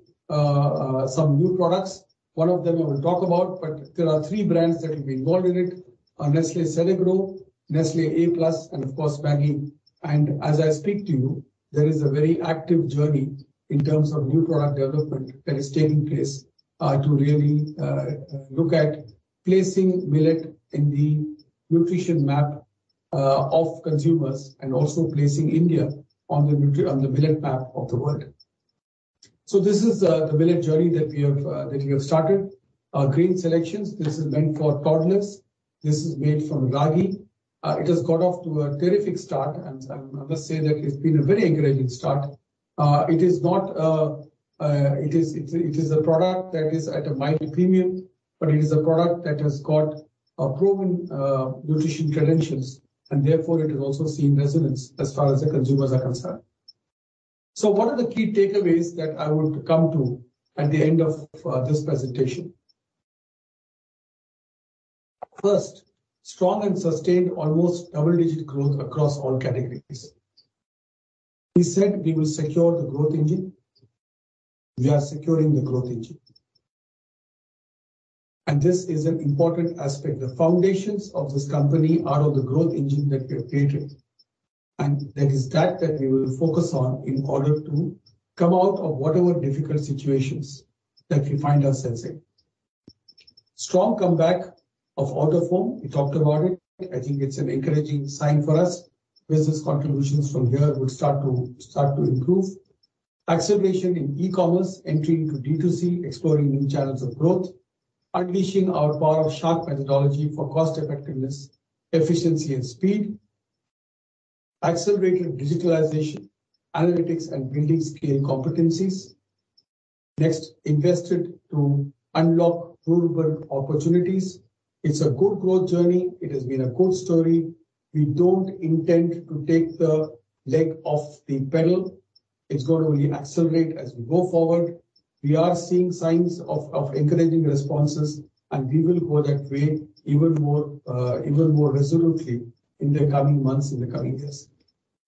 some new products. One of them I will talk about, but there are three brands that will be involved in it, Nestlé Cerelac, Nestlé a+, and of course Maggi. As I speak to you, there is a very active journey in terms of new product development that is taking place, to really look at placing millet in the nutrition map of consumers and also placing India on the millet map of the world. This is the millet journey that we have that we have started. Grain selections. This is meant for toddlers. This is made from ragi. It has got off to a terrific start, and I must say that it's been a very encouraging start. It is not. It is a product that is at a minor premium, but it is a product that has got proven nutrition credentials and therefore it is also seeing resonance as far as the consumers are concerned. What are the key takeaways that I want to come to at the end of this presentation? First, strong and sustained almost double-digit growth across all categories. We said we will secure the growth engine. We are securing the growth engine. This is an important aspect. The foundations of this company are on the growth engine that we have created, and that is that we will focus on in order to come out of whatever difficult situations that we find ourselves in. Strong comeback of Out-of-Home. We talked about it. I think it's an encouraging sign for us. Business contributions from here would start to improve. Acceleration in e-commerce, entering to D2C, exploring new channels of growth. Unleashing our Power of Sharp methodology for cost-effectiveness, efficiency and speed. Accelerated digitalization, analytics and building scale competencies. Invested to unlock rural opportunities. It's a good growth journey. It has been a good story. We don't intend to take the leg off the pedal. It's gonna only accelerate as we go forward. We are seeing signs of encouraging responses, and we will go that way even more resolutely in the coming months, in the coming years.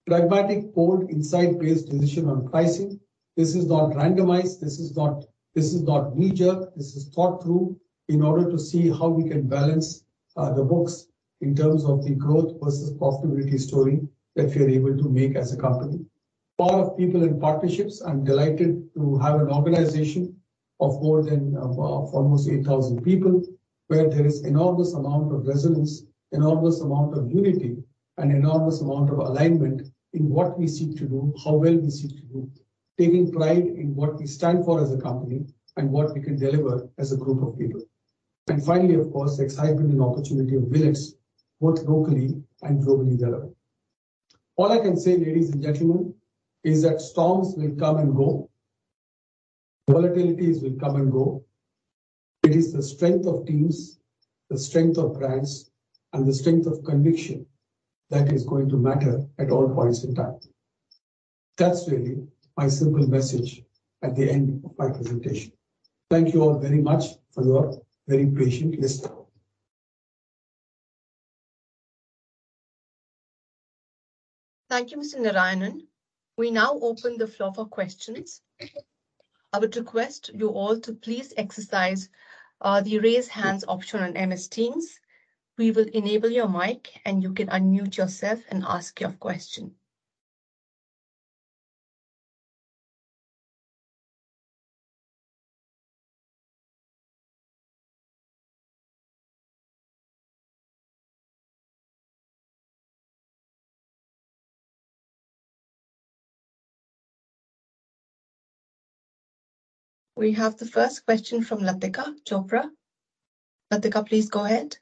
Pragmatic, bold, insight-based decision on pricing. This is not randomized. This is not knee-jerk. This is thought through in order to see how we can balance the books in terms of the growth versus profitability story that we are able to make as a company. Power of people and partnerships. I'm delighted to have an organization of more than almost 8,000 people, where there is enormous amount of resonance, enormous amount of unity, and enormous amount of alignment in what we seek to do, how well we seek to do. Taking pride in what we stand for as a company and what we can deliver as a group of people. And finally, of course, the excitement and opportunity of Vilax both locally and globally there. All I can say, ladies and gentlemen, is that storms will come and go. Volatilities will come and go. It is the strength of teams, the strength of brands, and the strength of conviction that is going to matter at all points in time. That's really my simple message at the end of my presentation. Thank you all very much for your very patient listening. Thank you, Mr. Narayanan. We now open the floor for questions. I would request you all to please exercise the raise hands option on Microsoft Teams. We will enable your mic, and you can unmute yourself and ask your question. We have the first question from Latika Chopra. Latika, please go ahead.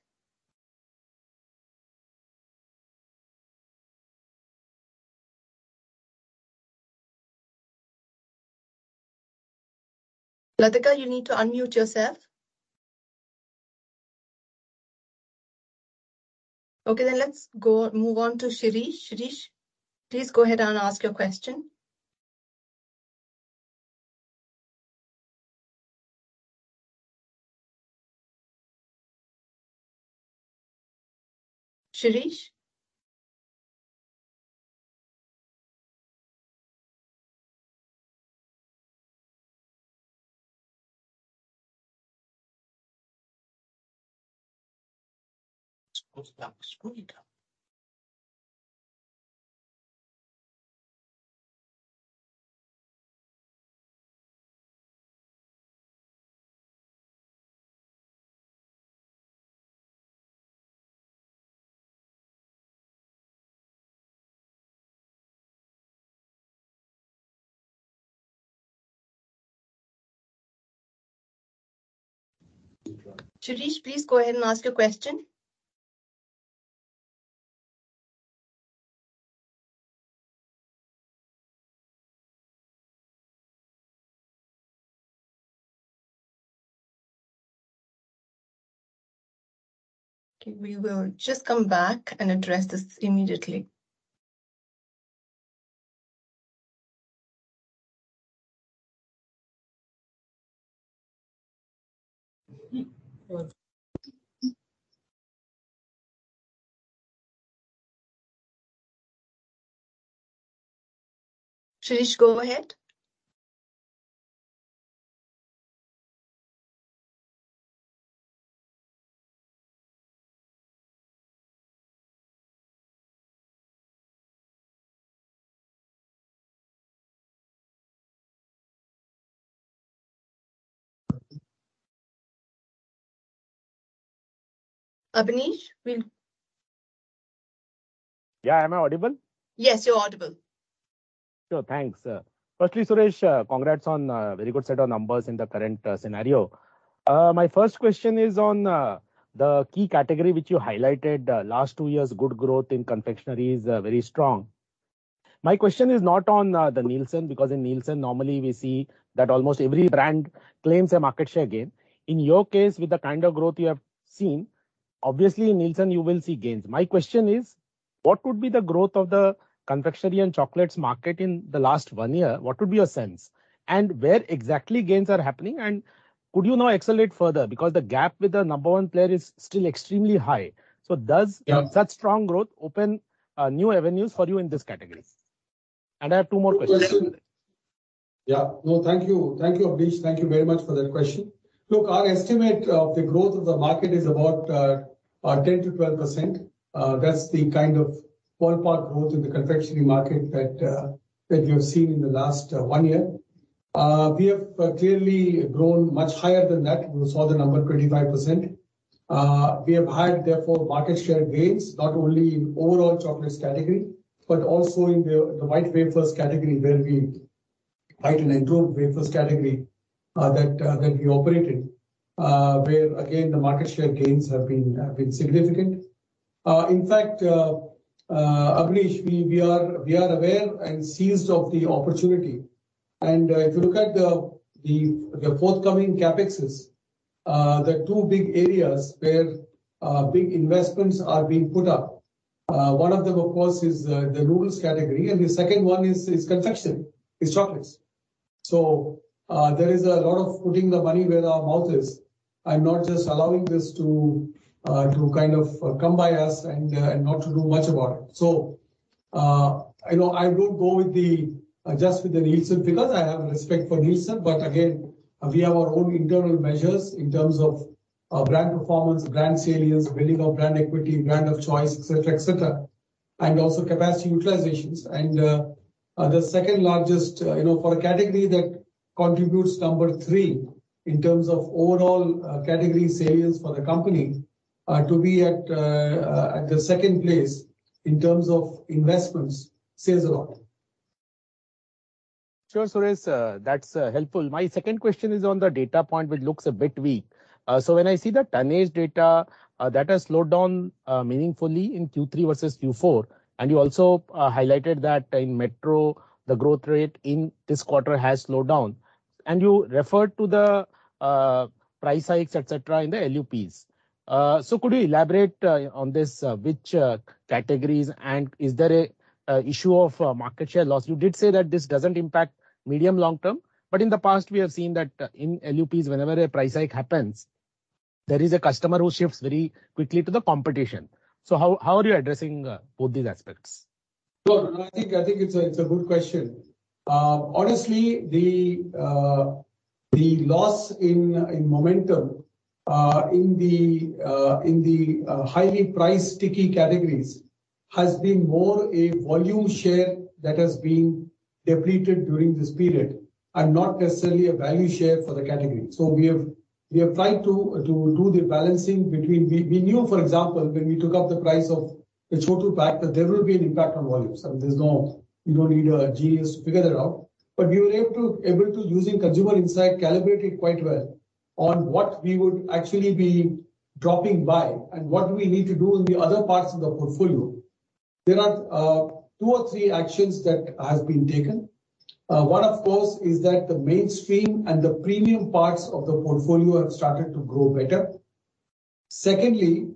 Latika, you need to unmute yourself. Move on to Shirish. Shirish, please go ahead and ask your question. Shirish? What's that? Sorry. Shirish, please go ahead and ask your question. Okay, we will just come back and address this immediately. What? Shirish, go ahead. Abneesh. Yeah, am I audible? Yes, you're audible. Sure. Thanks, firstly, Suresh, congrats on a very good set of numbers in the current scenario. My first question is on the key category which you highlighted. Last two years, good growth in confectionery is very strong. My question is not on the Nielsen, because in Nielsen normally we see that almost every brand claims a market share gain. In your case, with the kind of growth you have seen, obviously in Nielsen you will see gains. My question is, what would be the growth of the confectionery and chocolates market in the last 1 year? What would be your sense, and where exactly gains are happening, and could you now accelerate further? Because the gap with the number one player is still extremely high. Yeah. Such strong growth open, new avenues for you in this category? I have two more questions. Good question. Yeah. No, thank you. Thank you, Abneesh. Thank you very much for that question. Look, our estimate of the growth of the market is about 10%-12%. That's the kind of ballpark growth in the confectionery market that you have seen in the last one year. We have clearly grown much higher than that. You saw the number, 25%. We have had therefore market share gains not only in overall chocolates category, but also in the white wafers category where we white and enrobed wafers category that we operate in, where again the market share gains have been significant. In fact, Abneesh, we are aware and seized of the opportunity. If you look at the forthcoming CapExes, the two big areas where big investments are being put up, one of them, of course, is the noodles category and the second one is confection, chocolates. There is a lot of putting the money where our mouth is,, and not just allowing this to kind of come by us and not to do much about it. You know, I won't go with just with the Nielsen because I have a respect for Nielsen, but again, we have our own internal measures in terms of brand performance, brand salience, building of brand equity, brand of choice, et cetera, et cetera, and also capacity utilizations. The second largest, you know, for a category that contributes number threee in terms of overall category sales for the company, to be at the second place in terms of investments says a lot. Sure, Suresh, that's helpful. My second question is on the data point, which looks a bit weak. When I see the tonnage data, that has slowed down meaningfully in Q3 versus Q4. You also highlighted that in Metro, the growth rate in this quarter has slowed down. You referred to the price hikes, et cetera, in the LUPs. Could you elaborate on this, which categories and is there a issue of market share loss? You did say that this doesn't impact medium long-term, but in the past we have seen that in LUPs, whenever a price hike happens, there is a customer who shifts very quickly to the competition. How are you addressing both these aspects? Sure. I think it's a good question. Honestly, the loss in momentum in the highly priced sticky categories has been more a volume share that has been depleted during this period, and not necessarily a value share for the category. We have tried to do the balancing between. We knew, for example, when we took up the price of the Chotu pack that there will be an impact on volumes. I mean, you don't need a genius to figure that out. We were able to, using consumer insight, calibrate it quite well on what we would actually be dropping by and what we need to do in the other parts of the portfolio. There are two or three actions that has been taken. One of course is that the mainstream and the premium parts of the portfolio have started to grow better. Secondly,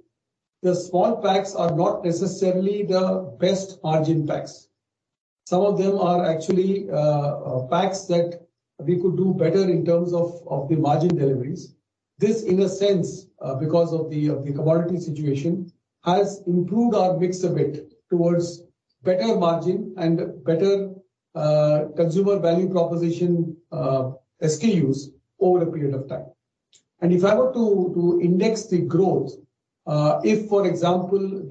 the small packs are not necessarily the best margin packs. Some of them are actually packs that we could do better in terms of the margin deliveries. This, in a sense, because of the commodity situation, has improved our mix a bit towards better margin and better consumer value proposition SKUs over a period of time. If I were to index the growth, if for example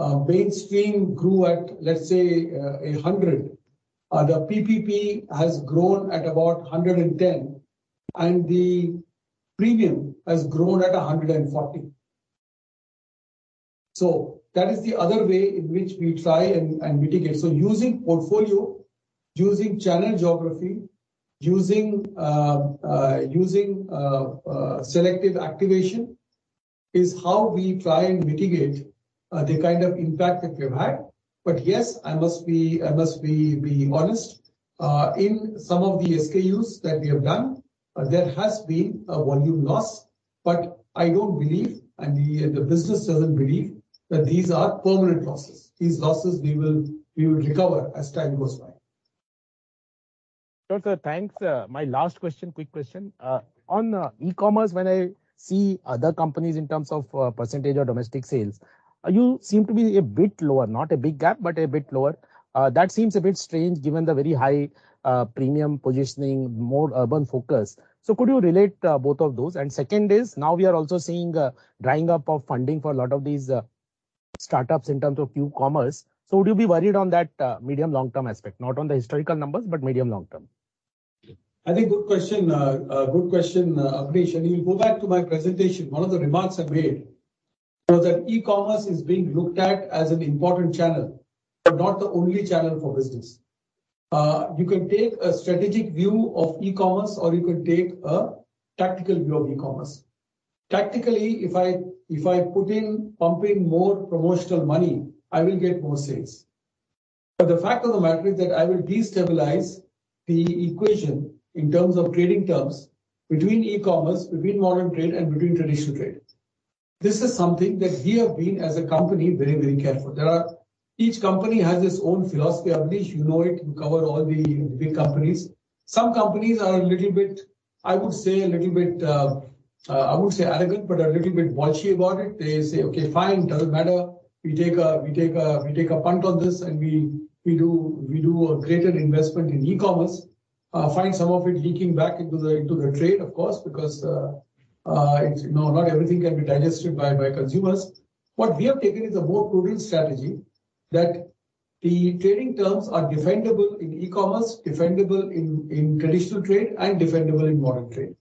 the mainstream grew at, let's say, 100, the PPP has grown at about 110, and the premium has grown at 140. That is the other way in which we try and mitigate. Using portfolio, using channel geography, using selective activation is how we try and mitigate the kind of impact that we have had. Yes, I must be honest, in some of the SKUs that we have done, there has been a volume loss, but I don't believe, and the business doesn't believe, that these are permanent losses. These losses, we will recover as time goes by. Sure, sir. Thanks. My last question, quick question. On e-commerce, when I see other companies in terms of percentage of domestic sales, you seem to be a bit lower. Not a big gap, but a bit lower. That seems a bit strange given the very high premium positioning, more urban focus. Could you relate both of those? Second is, now we are also seeing a drying up of funding for a lot of these startups in terms of Q-commerce. Would you be worried on that medium long-term aspect? Not on the historical numbers, but medium long term. I think good question. Good question, Abneesh. You can go back to my presentation. One of the remarks I made was that e-commerce is being looked at as an important channel, but not the only channel for business. You can take a strategic view of e-commerce, or you can take a tactical view of e-commerce. Tactically, if I pump in more promotional money, I will get more sales. The fact of the matter is that I will destabilize the equation in terms of trading terms between e-commerce, between modern trade, and between traditional trade. This is something that we have been, as a company, very, very careful. Each company has its own philosophy. Abneesh, you know it. You cover all the big companies. Some companies are a little bit, I would say a little bit, I wouldn't say arrogant, but a little bit bolshy about it. They say, "Okay, fine, doesn't matter." We take a punt on this and we do a greater investment in e-commerce. Find some of it leaking back into the trade of course, because, it's, you know, not everything can be digested by consumers. What we have taken is a more prudent strategy that the trading terms are defendable in e-commerce, defendable in traditional trade, and defendable in modern trade.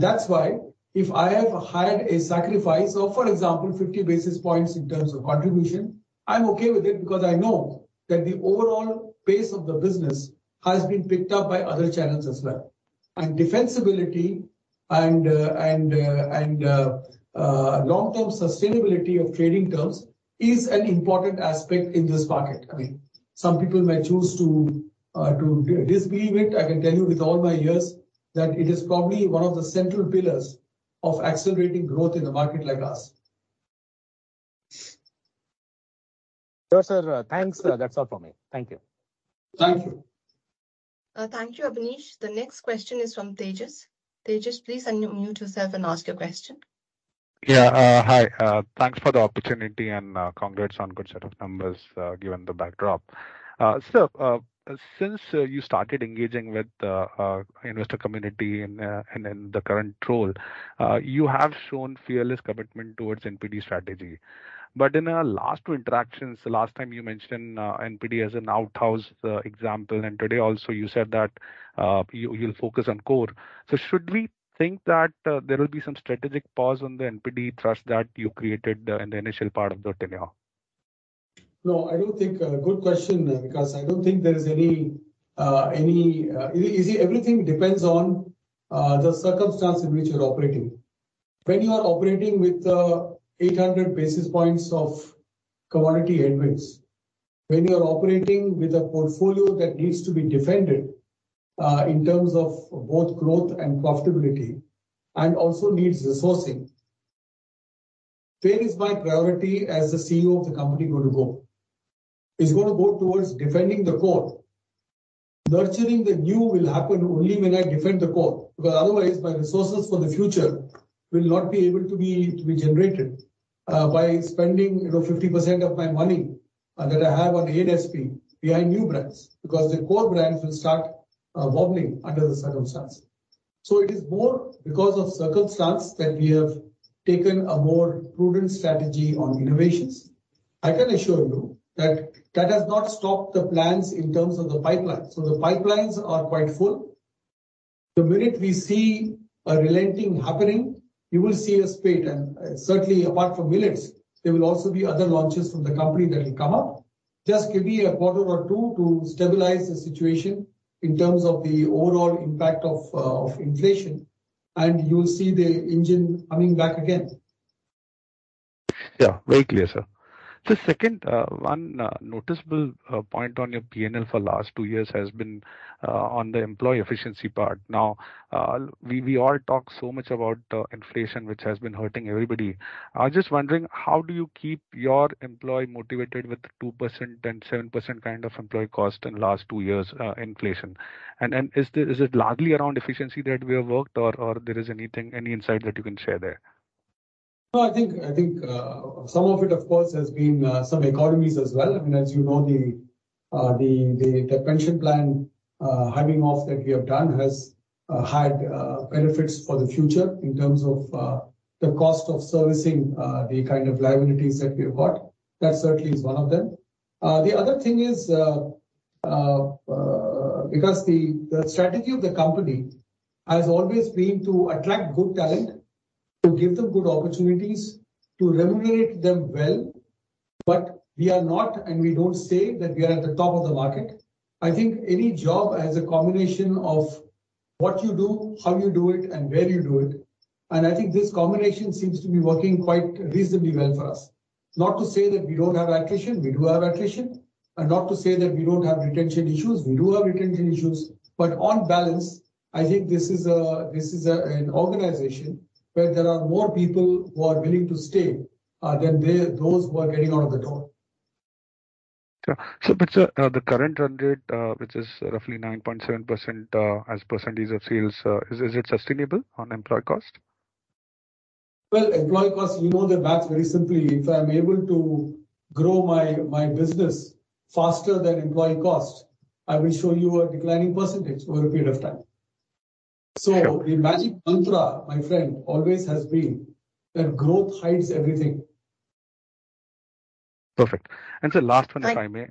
That's why if I have had a sacrifice of, for example, 50 basis points in terms of contribution, I'm okay with it because I know that the overall pace of the business has been picked up by other channels as well. Defensibility and long-term sustainability of trading terms is an important aspect in this market. I mean, some people may choose to disbelieve it. I can tell you with all my years that it is probably one of the central pillars of accelerating growth in a market like us. Sure, sir. Thanks. That's all from me. Thank you. Thank you. Thank you, Abneesh. The next question is from Tejas. Tejas, please unmute yourself and ask your question. Yeah. Hi, thanks for the opportunity and congrats on good set of numbers given the bacdrop. Sir, since you started engaging with the investor community and in the current role, you have shown fearless commitment towards NPD strategy. In our last two interactions, the last time you mentioned NPD as an outhouse example, and today also you said that you'll focus on core. Should we think that there will be some strategic pause on the NPD thrust that you created in the initial part of the tenure? No, I don't think. Good question, because I don't think there is any. You see, everything depends on the circumstance in which you're operating. When you are operating with 800 basis points of commodity headwinds, when you are operating with a portfolio that needs to be defended in terms of both growth and profitability, and also needs resourcing, where is my priority as the CEO of the company gonna go? It's gonna go towards defending the core. Nurturing the new will happen only when I defend the core, because otherwise my resources for the future will not be able to be generated by spending, you know, 50% of my money that I have on eight SP behind new brands because the core brands will start wobbling under the circumstance. It is more because of circumstance that we have taken a more prudent strategy on innovations. I can assure you that that has not stopped the plans in terms of the pipeline. The pipelines are quite full. The minute we see a relenting happening, you will see a spate and certainly apart from millets, there will also be other launches from the company that will come up. Just give me a quarter or two to stabilize the situation in terms of the overall impact of inflation, and you'll see the engine coming back again. Yeah. Very clear, sir. The second one noticeable point on your P&L for last two years has been on the employee efficiency part. Now, we all talk so much about inflation, which has been hurting everybody. I was just wondering how do you keep your employee motivated with 2% and 7% kind of employee cost in last 2 years inflation? Is it largely around efficiency that we have worked or there is anything, any insight that you can share there? No, I think, I think, some of it, of course, has been some economies as well. I mean, as you know the pension plan hemming off that we have done has had benefits for the future in terms of the cost of servicing the kind of liabilities that we have got. That certainly is one of them. The other thing is, because the strategy of the company has always been to attract good talent, to give them good opportunities, to remunerate them well, but we are not, and we don't say that we are at the top of the market. I think any job has a combination of what you do, how you do it, and where you do it. I think this combination seems to be working quite reasonably well for us. Not to say that we don't have attrition. We do have attrition. Not to say that we don't have retention issues. We do have retention issues. On balance, I think this is an organization where there are more people who are willing to stay than those who are getting out of the door. Sure. Sir, the current run rate, which is roughly 9.7%, as percentage of sales, is it sustainable on employee cost? Well, employee cost, you know the math very simply. If I'm able to grow my business faster than employee cost, I will show you a declining percentage over a period of time. Sure. The magic mantra, my friend, always has been that growth hides everything. Perfect. last one, if I may.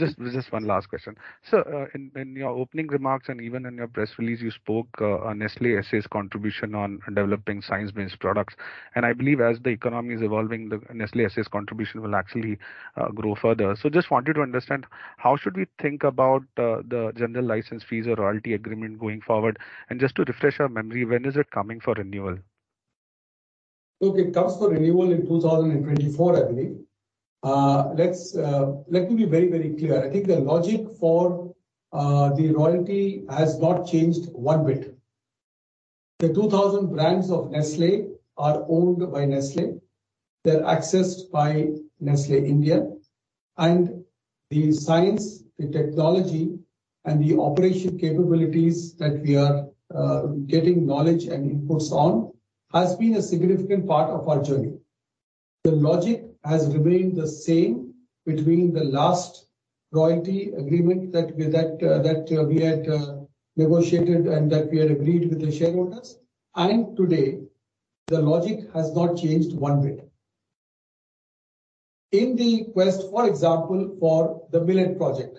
Right. Just one last question. Sir, in your opening remarks and even in your press release you spoke on Nestlé S.A.'s contribution on developing science-based products. I believe as the economy is evolving, the Nestlé S.A.'s contribution will actually grow further. Just wanted to understand how should we think about the general license fees or royalty agreement going forward? Just to refresh our memory, when is it coming for renewal? Look, it comes for renewal in 2024, I believe. Let's let me be very, very clear. I think the logic for the royalty has not changed one bit. The 2,000 brands of Nestlé are owned by Nestlé. They're accessed by Nestlé India. The science, the technology, and the operation capabilities that we are getting knowledge and inputs on has been a significant part of our journey. The logic has remained the same between the last royalty agreement that we had negotiated and that we had agreed with the shareholders. Today, the logic has not changed one bit. In the quest, for example, for the Millet project,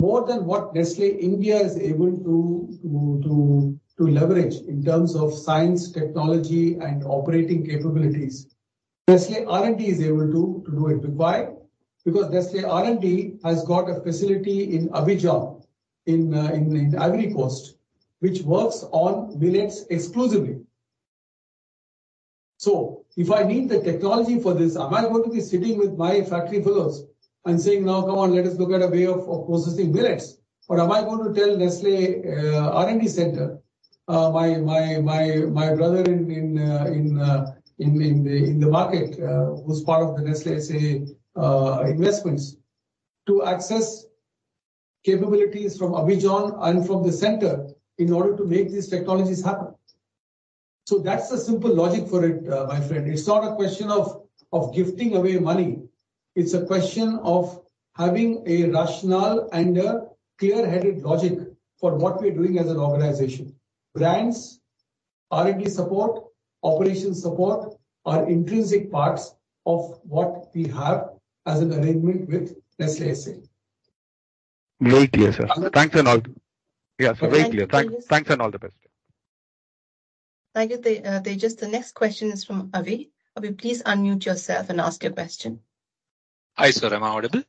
more than what Nestlé India is able to leverage in terms of science, technology, and operating capabilities, Nestlé R&D is able to do it. Why? Because Nestlé R&D has got a facility in Abidjan in Ivory Coast, which works on millets exclusively. If I need the technology for this, am I going to be sitting with my factory fellows and saying, "Now come on, let us look at a way of processing millets," or am I going to tell Nestlé R&D center, my brother in the market, who's part of the Nestlé CWAR investments to access capabilities from Abidjan and from the center in order to make these technologies happen? That's the simple logic for it, my friend. It's not a question of gifting away money. It's a question of having a rational and a clear-headed logic for what we're doing as an organization. Brands, R&D support, operations support are intrinsic parts of what we have as an arrangement with Nestlé S.A. Very clear, sir. Thanks and all. Yeah, very clear. Thank you. Thanks, and all the best. Thank you. Just the next question is from Avi. Avi, please unmute yourself and ask your question. Hi, sir. Am I audible?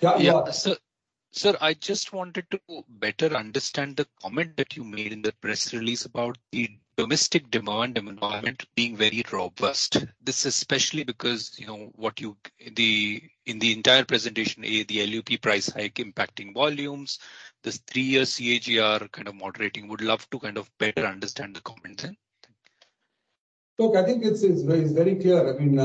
Yeah, you are. Yeah. Sir, I just wanted to better understand the comment that you made in the press release about the domestic demand environment being very robust. This especially because, you know, what you, in the entire presentation, the LUP price hike impacting volumes, this three-year CAGR kind of moderating. Would love to kind of better understand the comment then. Thank you. Look, I think it's very, it's very clear. I mean,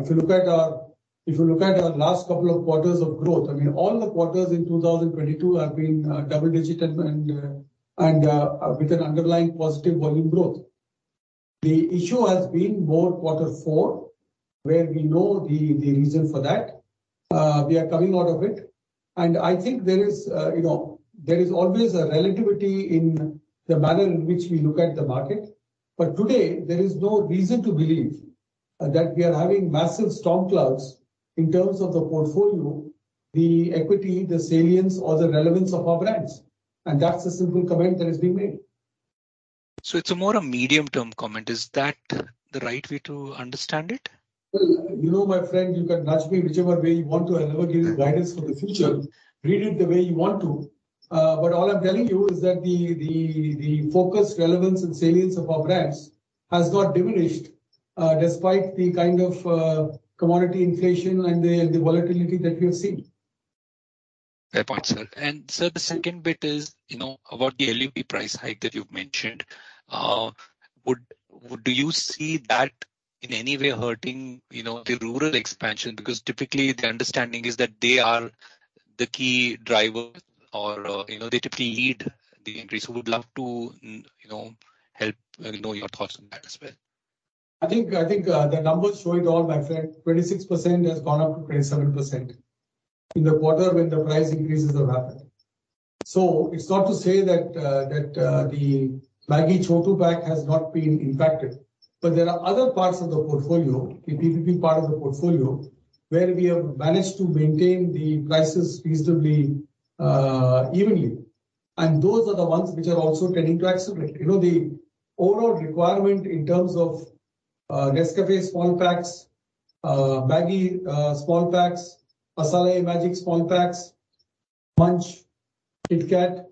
if you look at our, if you look at our last couple of quarters of growth, I mean, all the quarters in 2022 have been double digit and with an underlying positive volume growth. The issue has been more quarter four, where we know the reason for that. We are coming out of it. I think there is, you know, there is always a relativity in the manner in which we look at the market. Today, there is no reason to believe that we are having massive storm clouds in terms of the portfolio, the equity, the salience, or the relevance of our brands. That's the simple comment that is being made. It's a more a medium-term comment. Is that the right way to understand it? Well, you know, my friend, you can nudge me whichever way you want to. I'll never give you guidance for the future. Read it the way you want to. All I'm telling you is that the focus, relevance, and salience of our brands has not diminished, despite the kind of commodity inflation and the volatility that we have seen. Fair point, sir. Sir, the second bit is, you know, about the LUP price hike that you've mentioned. Do you see that in any way hurting, you know, the rural expansion? Because typically the understanding is that they are the key driver or, you know, they typically lead the increase. Would love to, you know, help, you know, your thoughts on that as well. I think the numbers show it all, my friend. 26% has gone up to 27% in the quarter when the price increases have happened. it's not to say that the Maggi Chotu pack has not been impacted. there are other parts of the portfolio, the PPP part of the portfolio, where we have managed to maintain the prices reasonably evenly. those are the ones which are also tending to accelerate. You know, the overall requirement in terms of Nescafé small packs, Maggi small packs, Masala-ae-Magic small packs, Munch, KitKat,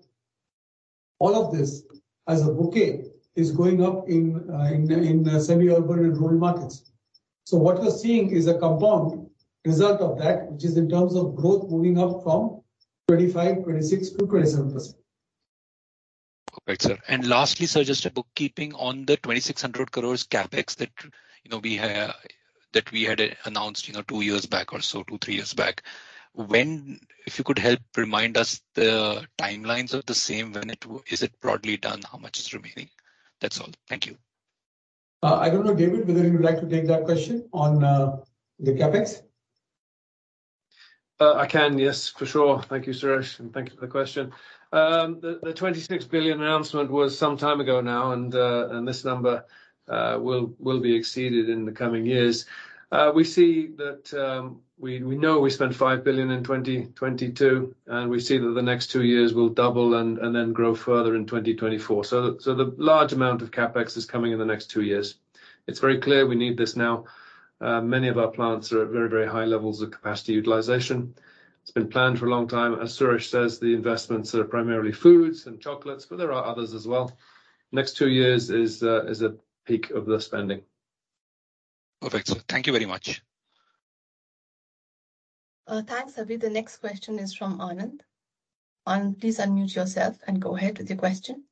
all of this as a bouquet is going up in the semi-urban and rural markets. what we're seeing is a compound result of that, which is in terms of growth moving up from 25%, 26% to 27%. Perfect, sir. Lastly, sir, just a bookkeeping on the 2,600 crores CapEx that, you know, we have, that we had announced, you know, two years back or so, two, three years back. If you could help remind us the timelines of the same. Was it broadly done? How much is remaining? That's all. Thank you. I don't know, David, whether you would like to take that question on the CapEx? I can, yes, for sure. Thank you, Suresh, and thank you for the question. The 26 billion announcement was some time ago now, and this number will be exceeded in the coming years. We see that we know we spent 5 billion in 2022, and we see that the next two years will double and then grow further in 2024. The large amount of CapEx is coming in the next two years. It's very clear we need this now. Many of our plants are at very, very high levels of capacity utilization. It's been planned for a long time. As Suresh says, the investments are primarily foods and chocolates, but there are others as well. Next two years is a peak of the spending. Perfect, sir. Thank you very much. Thanks, Avi. The next question is from Anand. Anand, please unmute yourself and go ahead with your question.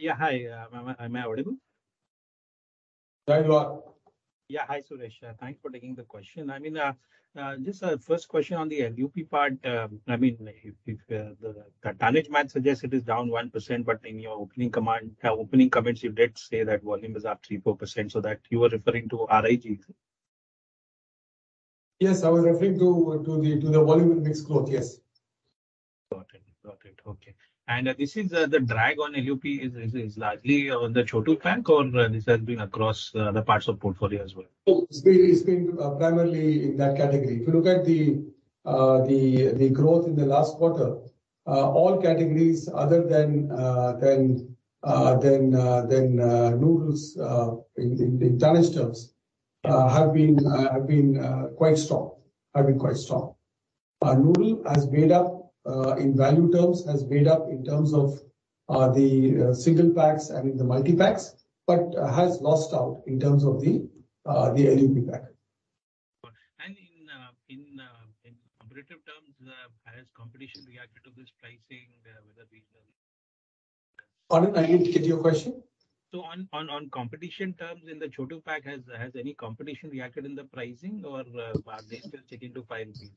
Yeah. Hi. Am I audible? Very well. Yeah. Hi, Suresh. Thanks for taking the question. I mean, just a first question on the LUP part. I mean, if the management suggests it is down 1%, but in your opening comments, you did say that volume is up 3%, 4%, so that you are referring to RIG? I was referring to the volume and mix growth. Yes. Got it. Got it. Okay. This is the drag on LUP is largely on the Chotu pack or this has been across the parts of portfolio as well? It's been primarily in that category. If you look at the growth in the last quarter, all categories other than noodles in tonnage terms have been quite strong. Noodle has made up in value terms in terms of the single packs, I mean, the multi-packs, but has lost out in terms of the LUP pack. In competitive terms, has competition reacted to this pricing, whether regionally? Anand, I didn't get your question. On competition terms in the Chotu Pack, has any competition reacted in the pricing or are they still sticking to five piece?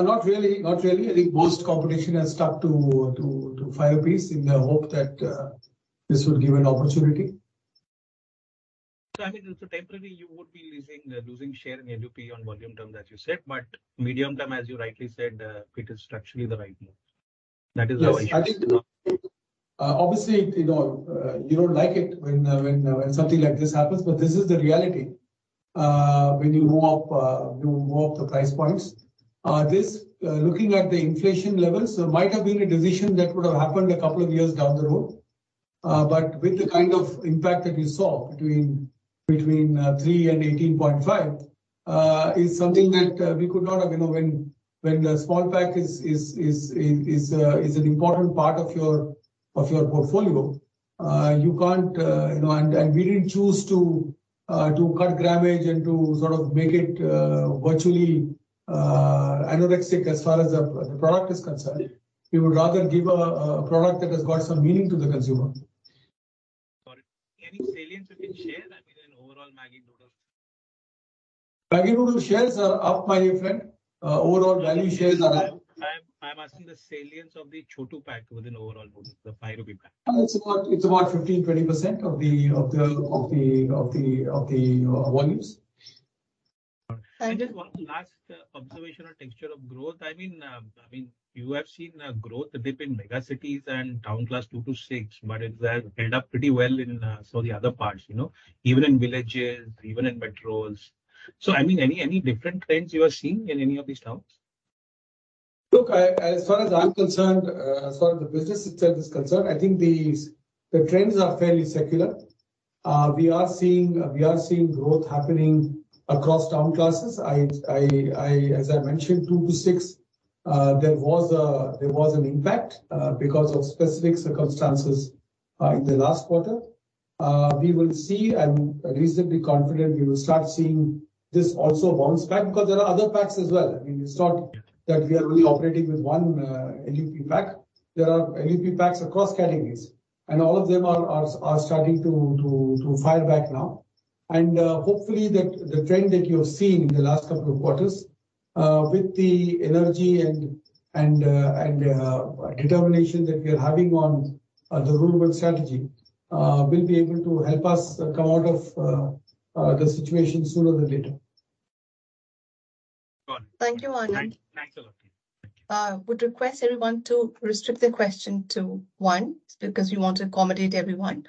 Not really. Not really. I think most competition has stuck to five piece in the hope that this would give an opportunity. I mean, so temporarily you would be losing share in LUP on volume term, as you said, but medium term, as you rightly said, it is structurally the right move. That is the only- Yes. I think, obviously, you know, you don't like it when something like this happens, but this is the reality. When you move up, you move up the price points. This, looking at the inflation levels, there might have been a decision that would have happened a couple of years down the road. But with the kind of impact that we saw between three and 18.5, is something that we could not have, you know. When the small pack is an important part of your portfolio, you can't, you know. We didn't choose to cut grammage and to sort of make it virtually anorexic as far as the product is concerned. We would rather give a product that has got some meaning to the consumer. Got it. Any salience you can share? I mean, in overall Maggi noodles. Maggi noodle shares are up, my dear friend. Overall value shares are up. I'm asking the salience of the Chotu pack within overall noodles, the five INR pack. it's about 15%-20% of the volumes. All right. Thank you. Just one last observational texture of growth. I mean, you have seen a growth dip in mega cities and town class two to six, but it has held up pretty well in some of the other parts, you know, even in villages, even in metros. I mean, any different trends you are seeing in any of these towns? Look, as far as I'm concerned, as far as the business itself is concerned, I think the trends are fairly secular. We are seeing growth happening across town classes. I, as I mentioned, two to six, there was an impact because of specific circumstances in the last quarter. We will see, I'm reasonably confident we will start seeing this also bounce back because there are other packs as well. I mean, it's not that we are only operating with one LUP pack. There are LUP packs across categories, and all of them are starting to fire back now. Hopefully that... The trend that you have seen in the last couple of quarters, with the energy and determination that we are having on the rural strategy, will be able to help us come out of the situation sooner than later. Got it. Thank you, Anand. Thanks a lot. Would request everyone to restrict their question to one because we want to accommodate everyone.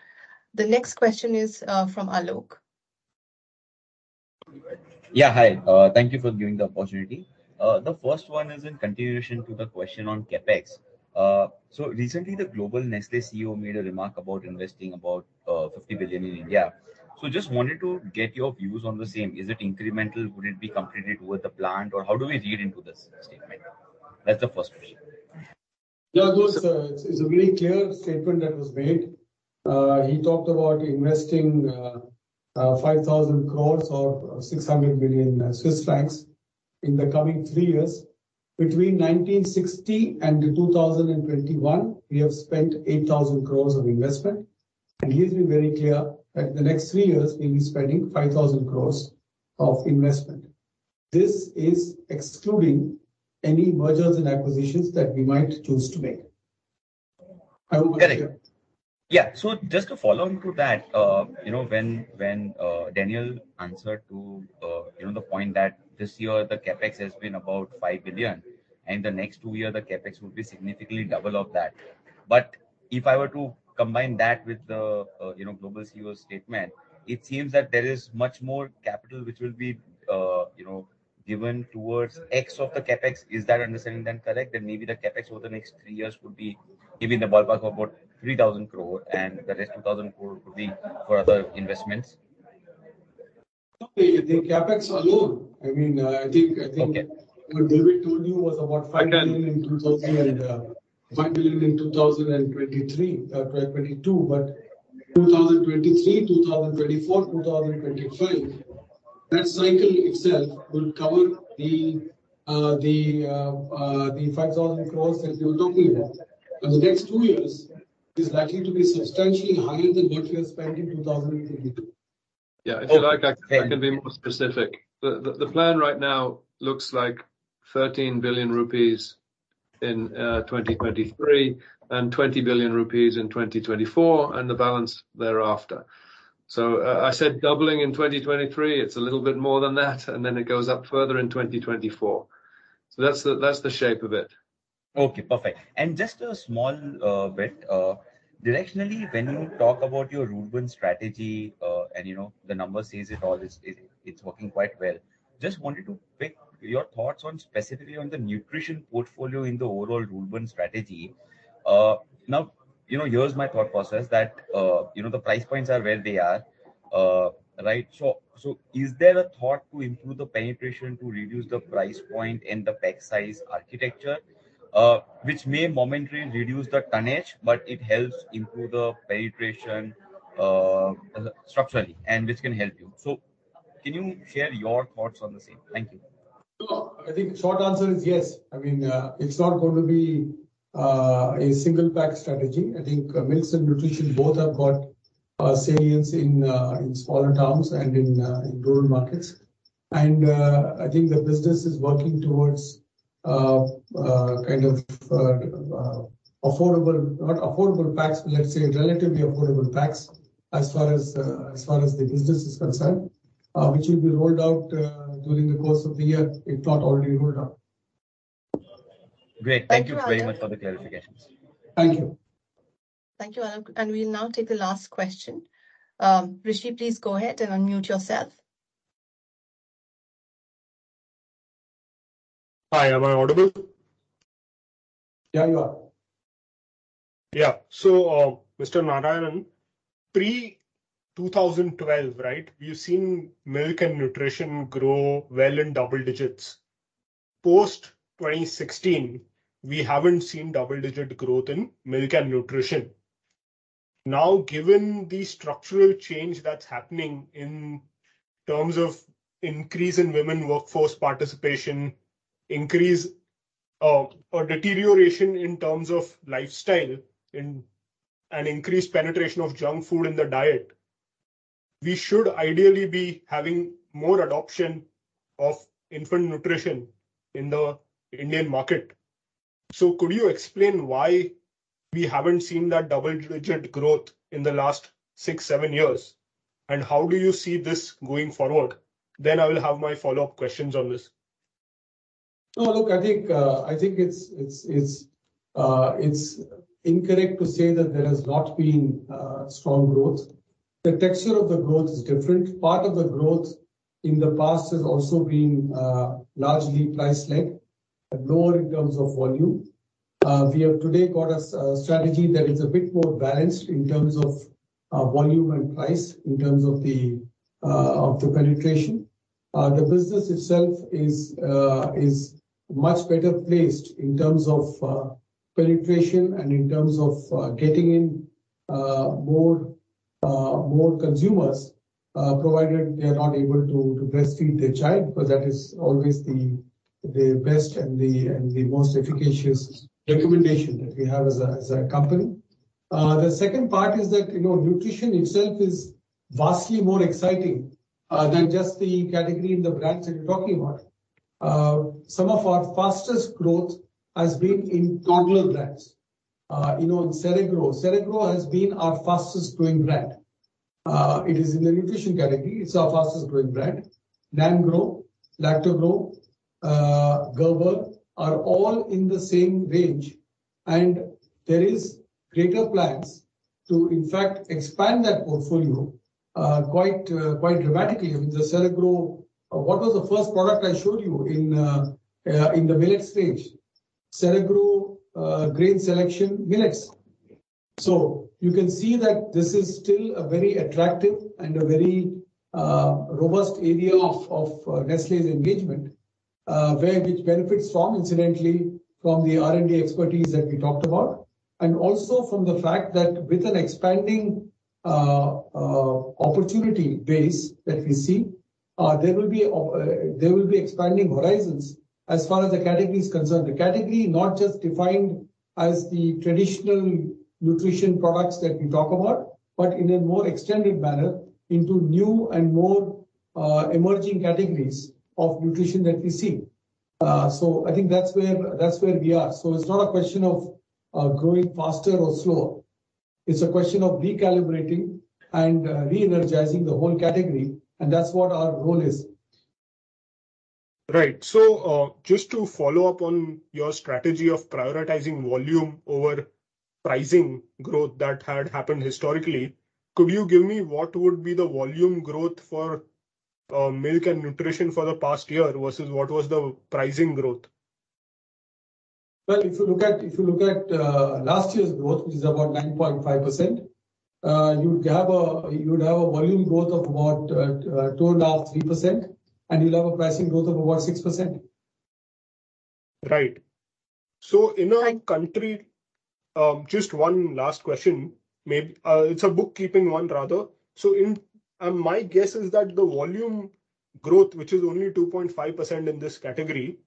The next question is from Alok. Yeah, hi. Thank you for giving the opportunity. The first one is in continuation to the question on CapEx. Recently the global Nestlé CEO made a remark about investing about 50 billion in India. Just wanted to get your views on the same. Is it incremental? Would it be completely toward the plant? Or how do we read into this statement? That's the first question. Yeah, it was, it's a very clear statement that was made. He talked about investing 5,000 crores or 600 million Swiss francs in the coming three years. Between 1960 and 2021, we have spent 8,000 crores of investment. He's been very clear that the next three years we'll be spending 5,000 crores of investment. This is excluding any mergers and acquisitions that we might choose to make. I hope I answered. Correct. Just to follow on to that, you know, when Daniel answered to, you know, the point that this year the CapEx has been about 5 billion, and the next two year the CapEx will be significantly double of that. If I were to combine that with the, you know, global CEO statement, it seems that there is much more capital which will be, you know, given towards X of the CapEx. Is that understanding correct? That maybe the CapEx over the next three years would be giving the ballpark of about 3,000 crore, and the rest 2,000 crore could be for other investments. The, the CapEx alone, I mean. Okay. What David told you was about 5 billion in 2023, 2022. 2023, 2024, 2025, that cycle itself will cover the 5,000 crores that you're talking about. The next two years is likely to be substantially higher than what we have spent in 2022. Yeah. If you like, I can be more specific. The plan right now looks like 13 billion rupees in 2023 and 20 billion rupees in 2024, and the balance thereafter. I said doubling in 2023, it's a little bit more than that, and then it goes up further in 2024. That's the shape of it. Okay, perfect. Just a small bit directionally, when you talk about your rural strategy, and you know, the numbers says it all. It's working quite well. Just wanted to pick your thoughts on specifically on the nutrition portfolio in the overall rural strategy. Now, you know, here's my thought process that, you know, the price points are where they are. Right. Is there a thought to improve the penetration to reduce the price point and the pack size architecture? Which may momentarily reduce the tonnage, but it helps improve the penetration structurally, and which can help you. Can you share your thoughts on the same? Thank you. Sure. I think short answer is yes. I mean, it's not going to be a single pack strategy. I think milks and nutrition both have got salience in in smaller towns and in in rural markets. I think the business is working towards kind of not affordable packs, let's say relatively affordable packs as far as as far as the business is concerned, which will be rolled out during the course of the year, if not already rolled out. Great. Thank you very much for the clarifications. Thank you. Thank you, Alok. We'll now take the last question. Rishi, please go ahead and unmute yourself. Hi, am I audible? Yeah, you are. Yeah. Mr. Narayanan, pre 2012, right, we've seen milk and nutrition grow well in double digits. Post 2016, we haven't seen double-digit growth in milk and nutrition. Given the structural change that's happening in terms of increase in women workforce participation, increase or deterioration in terms of lifestyle and increased penetration of junk food in their diet, we should ideally be having more adoption of infant nutrition in the Indian market. Could you explain why we haven't seen that double-digit growth in the last six, seven years, and how do you see this going forward? I will have my follow-up questions on this. No, look, I think it's incorrect to say that there has not been strong growth. The texture of the growth is different. Part of the growth in the past has also been largely price-led and lower in terms of volume. We have today got a strategy that is a bit more balanced in terms of volume and price, in terms of the penetration. The business itself is much better placed in terms of penetration, and in terms of getting in more consumers, provided they're not able to breastfeed their child, but that is always the best and the most efficacious recommendation that we have as a company. The second part is that, you know, nutrition itself is vastly more exciting than just the category and the brands that you're talking about. Some of our fastest growth has been in toddler brands. You know, in Cerelac. Cerelac has been our fastest growing brand. It is in the nutrition category. It's our fastest growing brand. NAN PRO, LACTOGROW, GERBER are all in the same range, and there is greater plans to in fact expand that portfolio quite dramatically. I mean, the Cerelac. What was the first product I showed you in the millet stage? Cerelac Grain Selection millets. You can see that this is still a very attractive and a very robust area of Nestlé's engagement, where it benefits from, incidentally, from the R&D expertise that we talked about, and also from the fact that with an expanding opportunity base that we see, there will be expanding horizons as far as the category is concerned. The category not just defined as the traditional nutrition products that we talk about, but in a more extended manner into new and more emerging categories of nutrition that we see. I think that's where, that's where we are. It's not a question of growing faster or slower. It's a question of recalibrating and re-energizing the whole category. That's what our role is. Right. Just to follow up on your strategy of prioritizing volume over pricing growth that had happened historically, could you give me what would be the volume growth for milk and nutrition for the past year versus what was the pricing growth? Well, if you look at last year's growth, which is about 9.5%, you'd have a volume growth of about 2.5%-3%, and you'll have a pricing growth of about 6%. Right. In our country, just one last question. It's a bookkeeping one rather. My guess is that the volume growth, which is only 2.5% in this category,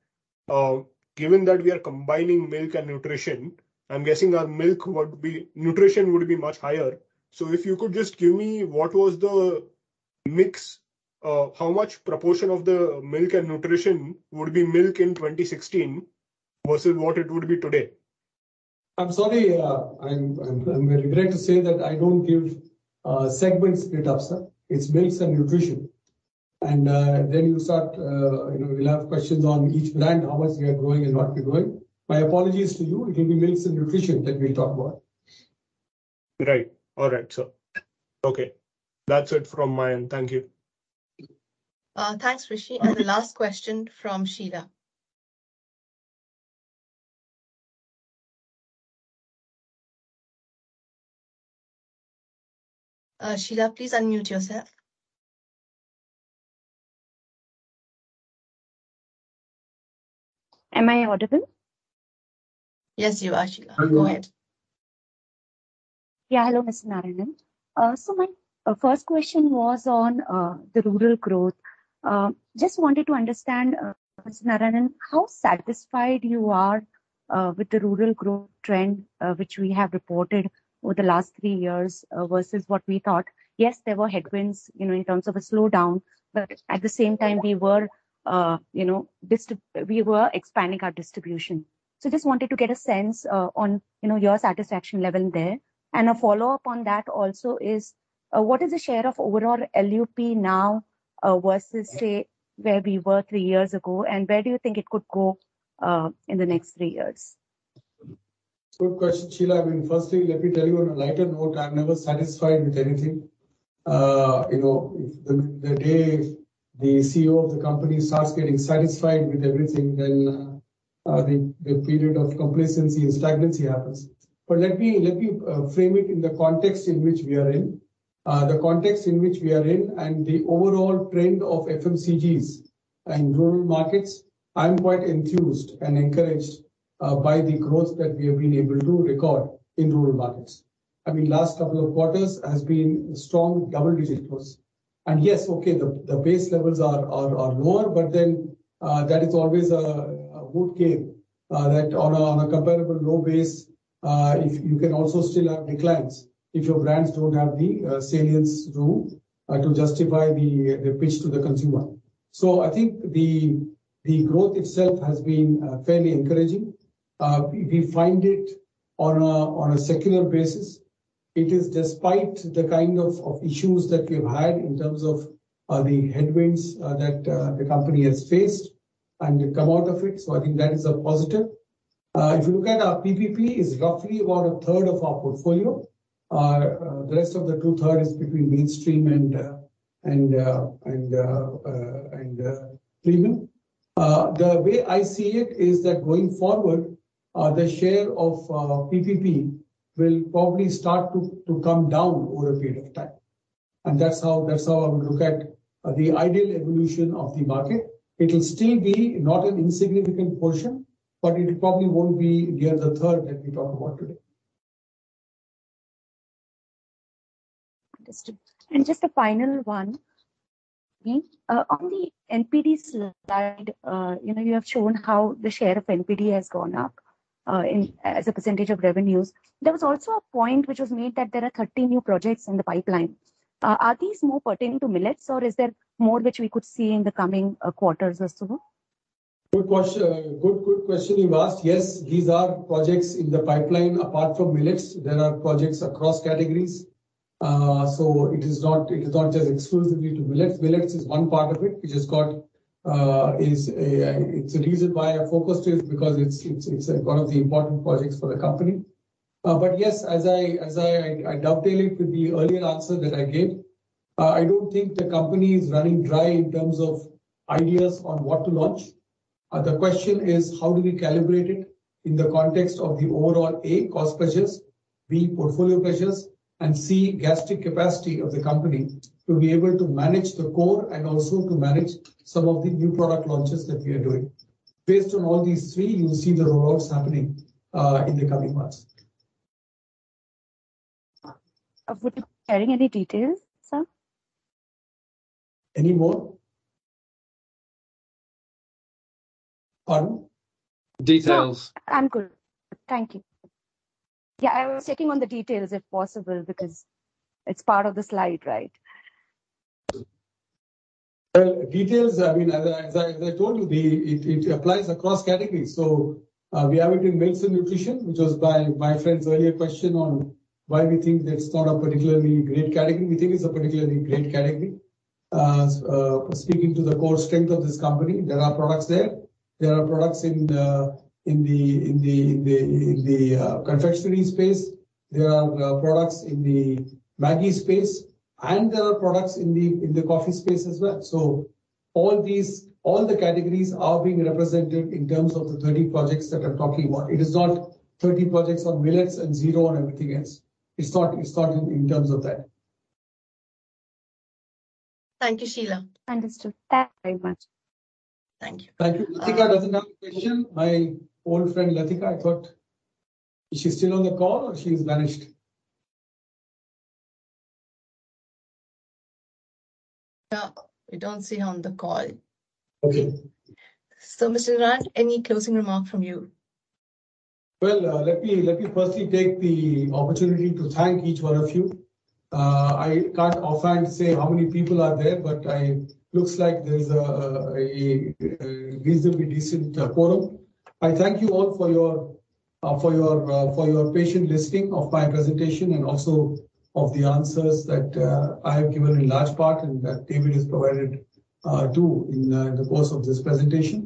given that we are combining milk and nutrition, I'm guessing our nutrition would be much higher. If you could just give me what was the mix, how much proportion of the milk and nutrition would be milk in 2016 versus what it would be today? I'm sorry. I'm very regret to say that I don't give segments split ups. It's milks and nutrition. Then you start, you know, we'll have questions on each brand, how much we are growing and not growing. My apologies to you. It will be milks and nutrition that we'll talk about. Right. All right, sir. Okay. That's it from my end. Thank you. Thanks, Rishi. The last question from Sheela. Sheela, please unmute yourself. Am I audible? Yes, you are, Sheela. Hello. Go ahead. Yeah. Hello, Mr. Narayanan. My first question was on the rural growth. Just wanted to understand, Mr. Narayanan, how satisfied you are with the rural growth trend which we have reported over the last three years versus what we thought. Yes, there were headwinds, you know, in terms of a slowdown, but at the same time, we were, you know, expanding our distribution. Just wanted to get a sense on, you know, your satisfaction level there. A follow-up on that also is what is the share of overall LUP now versus, say, where we were three years ago. Where do you think it could go in the next three years? Good question, Sheela. I mean, firstly, let me tell you on a lighter note, I'm never satisfied with anything. You know, if the day the CEO of the company starts getting satisfied with everything, then the period of complacency and stagnancy happens. Let me frame it in the context in which we are in. The context in which we are in and the overall trend of FMCGs and rural markets, I'm quite enthused and encouraged by the growth that we have been able to record in rural markets. I mean, last 2 quarters has been strong double-digit growth. Yes, okay, the base levels are lower, that is always a good game that on a comparable low base, if you can also still have declines if your brands don't have the salience to justify the pitch to the consumer. I think the growth itself has been fairly encouraging. We find it on a secular basis. It is despite the kind of issues that we've had in terms of the headwinds that the company has faced and come out of it, so I think that is a positive. If you look at our PPP, it's roughly about a third of our portfolio. The rest of the two-third is between mainstream and premium. The way I see it is that going forward, the share of PPP will probably start to come down over a period of time. That's how I would look at the ideal evolution of the market. It'll still be not an insignificant portion, but it probably won't be near the third that we talked about today. Understood. Just a final one. Mm-hmm. On the NPD slide, you know, you have shown how the share of NPD has gone up, in... as a percentage of revenues. There was also a point which was made that there are 30 new projects in the pipeline. Are these more pertaining to Millets, or is there more which we could see in the coming quarters as well? Good question you've asked. Yes, these are projects in the pipeline. Apart from Millets, there are projects across categories. It is not just exclusively to Millets. Millets is one part of it, which has got, it's a reason why I focused it, because it's one of the important projects for the company. Yes, as I dovetail it with the earlier answer that I gave, I don't think the company is running dry in terms of ideas on what to launch. The question is how do we calibrate it in the context of the overall, A, cost pressures, B, portfolio pressures, and C, gastric capacity of the company to be able to manage the core and also to manage some of the new product launches that we are doing. Based on all these three, you will see the rollouts happening, in the coming months. Would you be sharing any details, sir? Any more? Pardon? Details. No, I'm good. Thank you. I was checking on the details if possible, because it's part of the slide, right? Well, details, I mean, as I told you, it applies across categories. We have it in Milk and Nutrition, which was by my friend's earlier question on why we think that it's not a particularly great category. We think it's a particularly great category. Speaking to the core strength of this company, there are products there. There are products in the confectionery space. There are products in the Maggi space, and there are products in the coffee space as well. All these, all the categories are being represented in terms of the 30 projects that we're talking about. It is not 30 projects on millets and 0 on everything else. It's not in terms of that. Thank you, Sheela. Understood. Thank you very much. Thank you. Thank you. Latika doesn't have a question. My old friend Latika, I thought. Is she still on the call or she's vanished? No, we don't see her on the call. Okay. Mr. Narayanan, any closing remark from you? Well, let me firstly take the opportunity to thank each one of you. I can't often say how many people are there, but looks like there's a reasonably decent quorum. I thank you all for your patient listening of my presentation and also of the answers that I have given in large part and that David has provided too in the course of this presentation.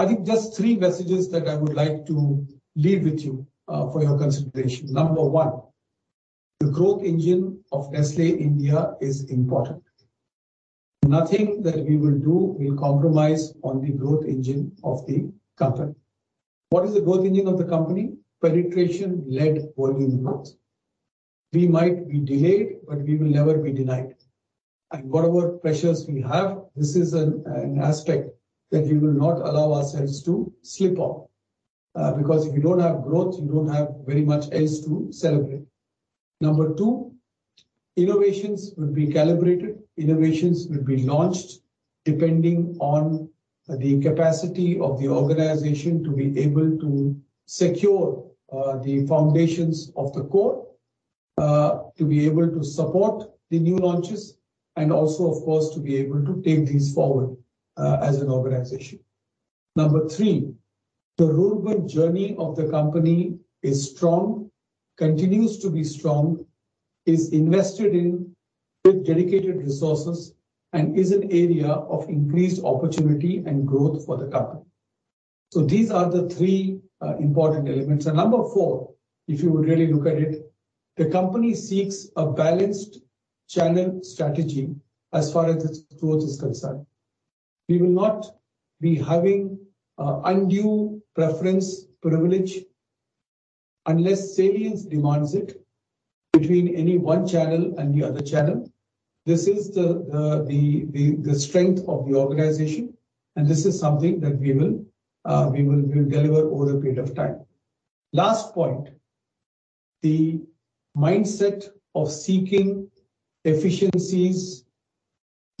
I think just three messages that I would like to leave with you for your consideration. Number one, the growth engine of Nestlé India is important. Nothing that we will do will compromise on the growth engine of the company. What is the growth engine of the company? Penetration-led volume growth. We might be delayed, but we will never be denied. Whatever pressures we have, this is an aspect that we will not allow ourselves to slip on. Because if you don't have growth, you don't have very much else to celebrate. Number two, innovations will be calibrated. Innovations will be launched depending on the capacity of the organization to be able to secure the foundations of the core, to be able to support the new launches and also of course to be able to take these forward as an organization. Number three, the rural journey of the company is strong, continues to be strong, is invested in with dedicated resources, and is an area of increased opportunity and growth for the company. These are the three important elements. Number four, if you would really look at it, the company seeks a balanced channel strategy as far as its growth is concerned. We will not be having undue preference privilege unless salience demands it between any one channel and the other channel. This is the strength of the organization, and this is something that we will, we'll deliver over a period of time. Last point, the mindset of seeking efficiencies,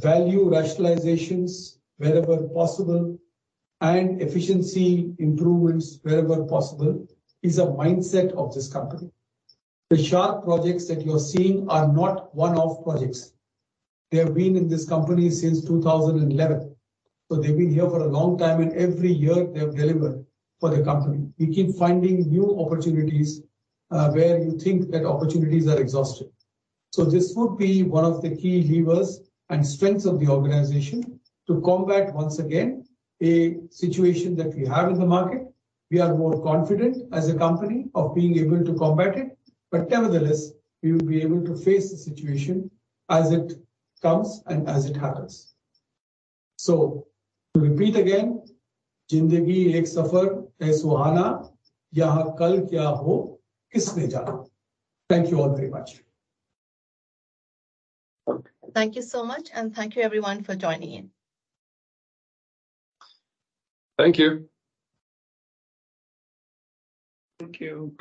value rationalizations wherever possible, and efficiency improvements wherever possible is a mindset of this company. The SHARC projects that you're seeing are not one-off projects. They have been in this company since 2011, so they've been here for a long time, and every year they have delivered for the company. We keep finding new opportunities, where you think that opportunities are exhausted. This would be one of the key levers and strengths of the organization to combat, once again, a situation that we have in the market. We are more confident as a company of being able to combat it. Nevertheless, we will be able to face the situation as it comes and as it happens. To repeat again, "Thank you all very much. Thank you so much, and thank you everyone for joining in. Thank you. Thank you.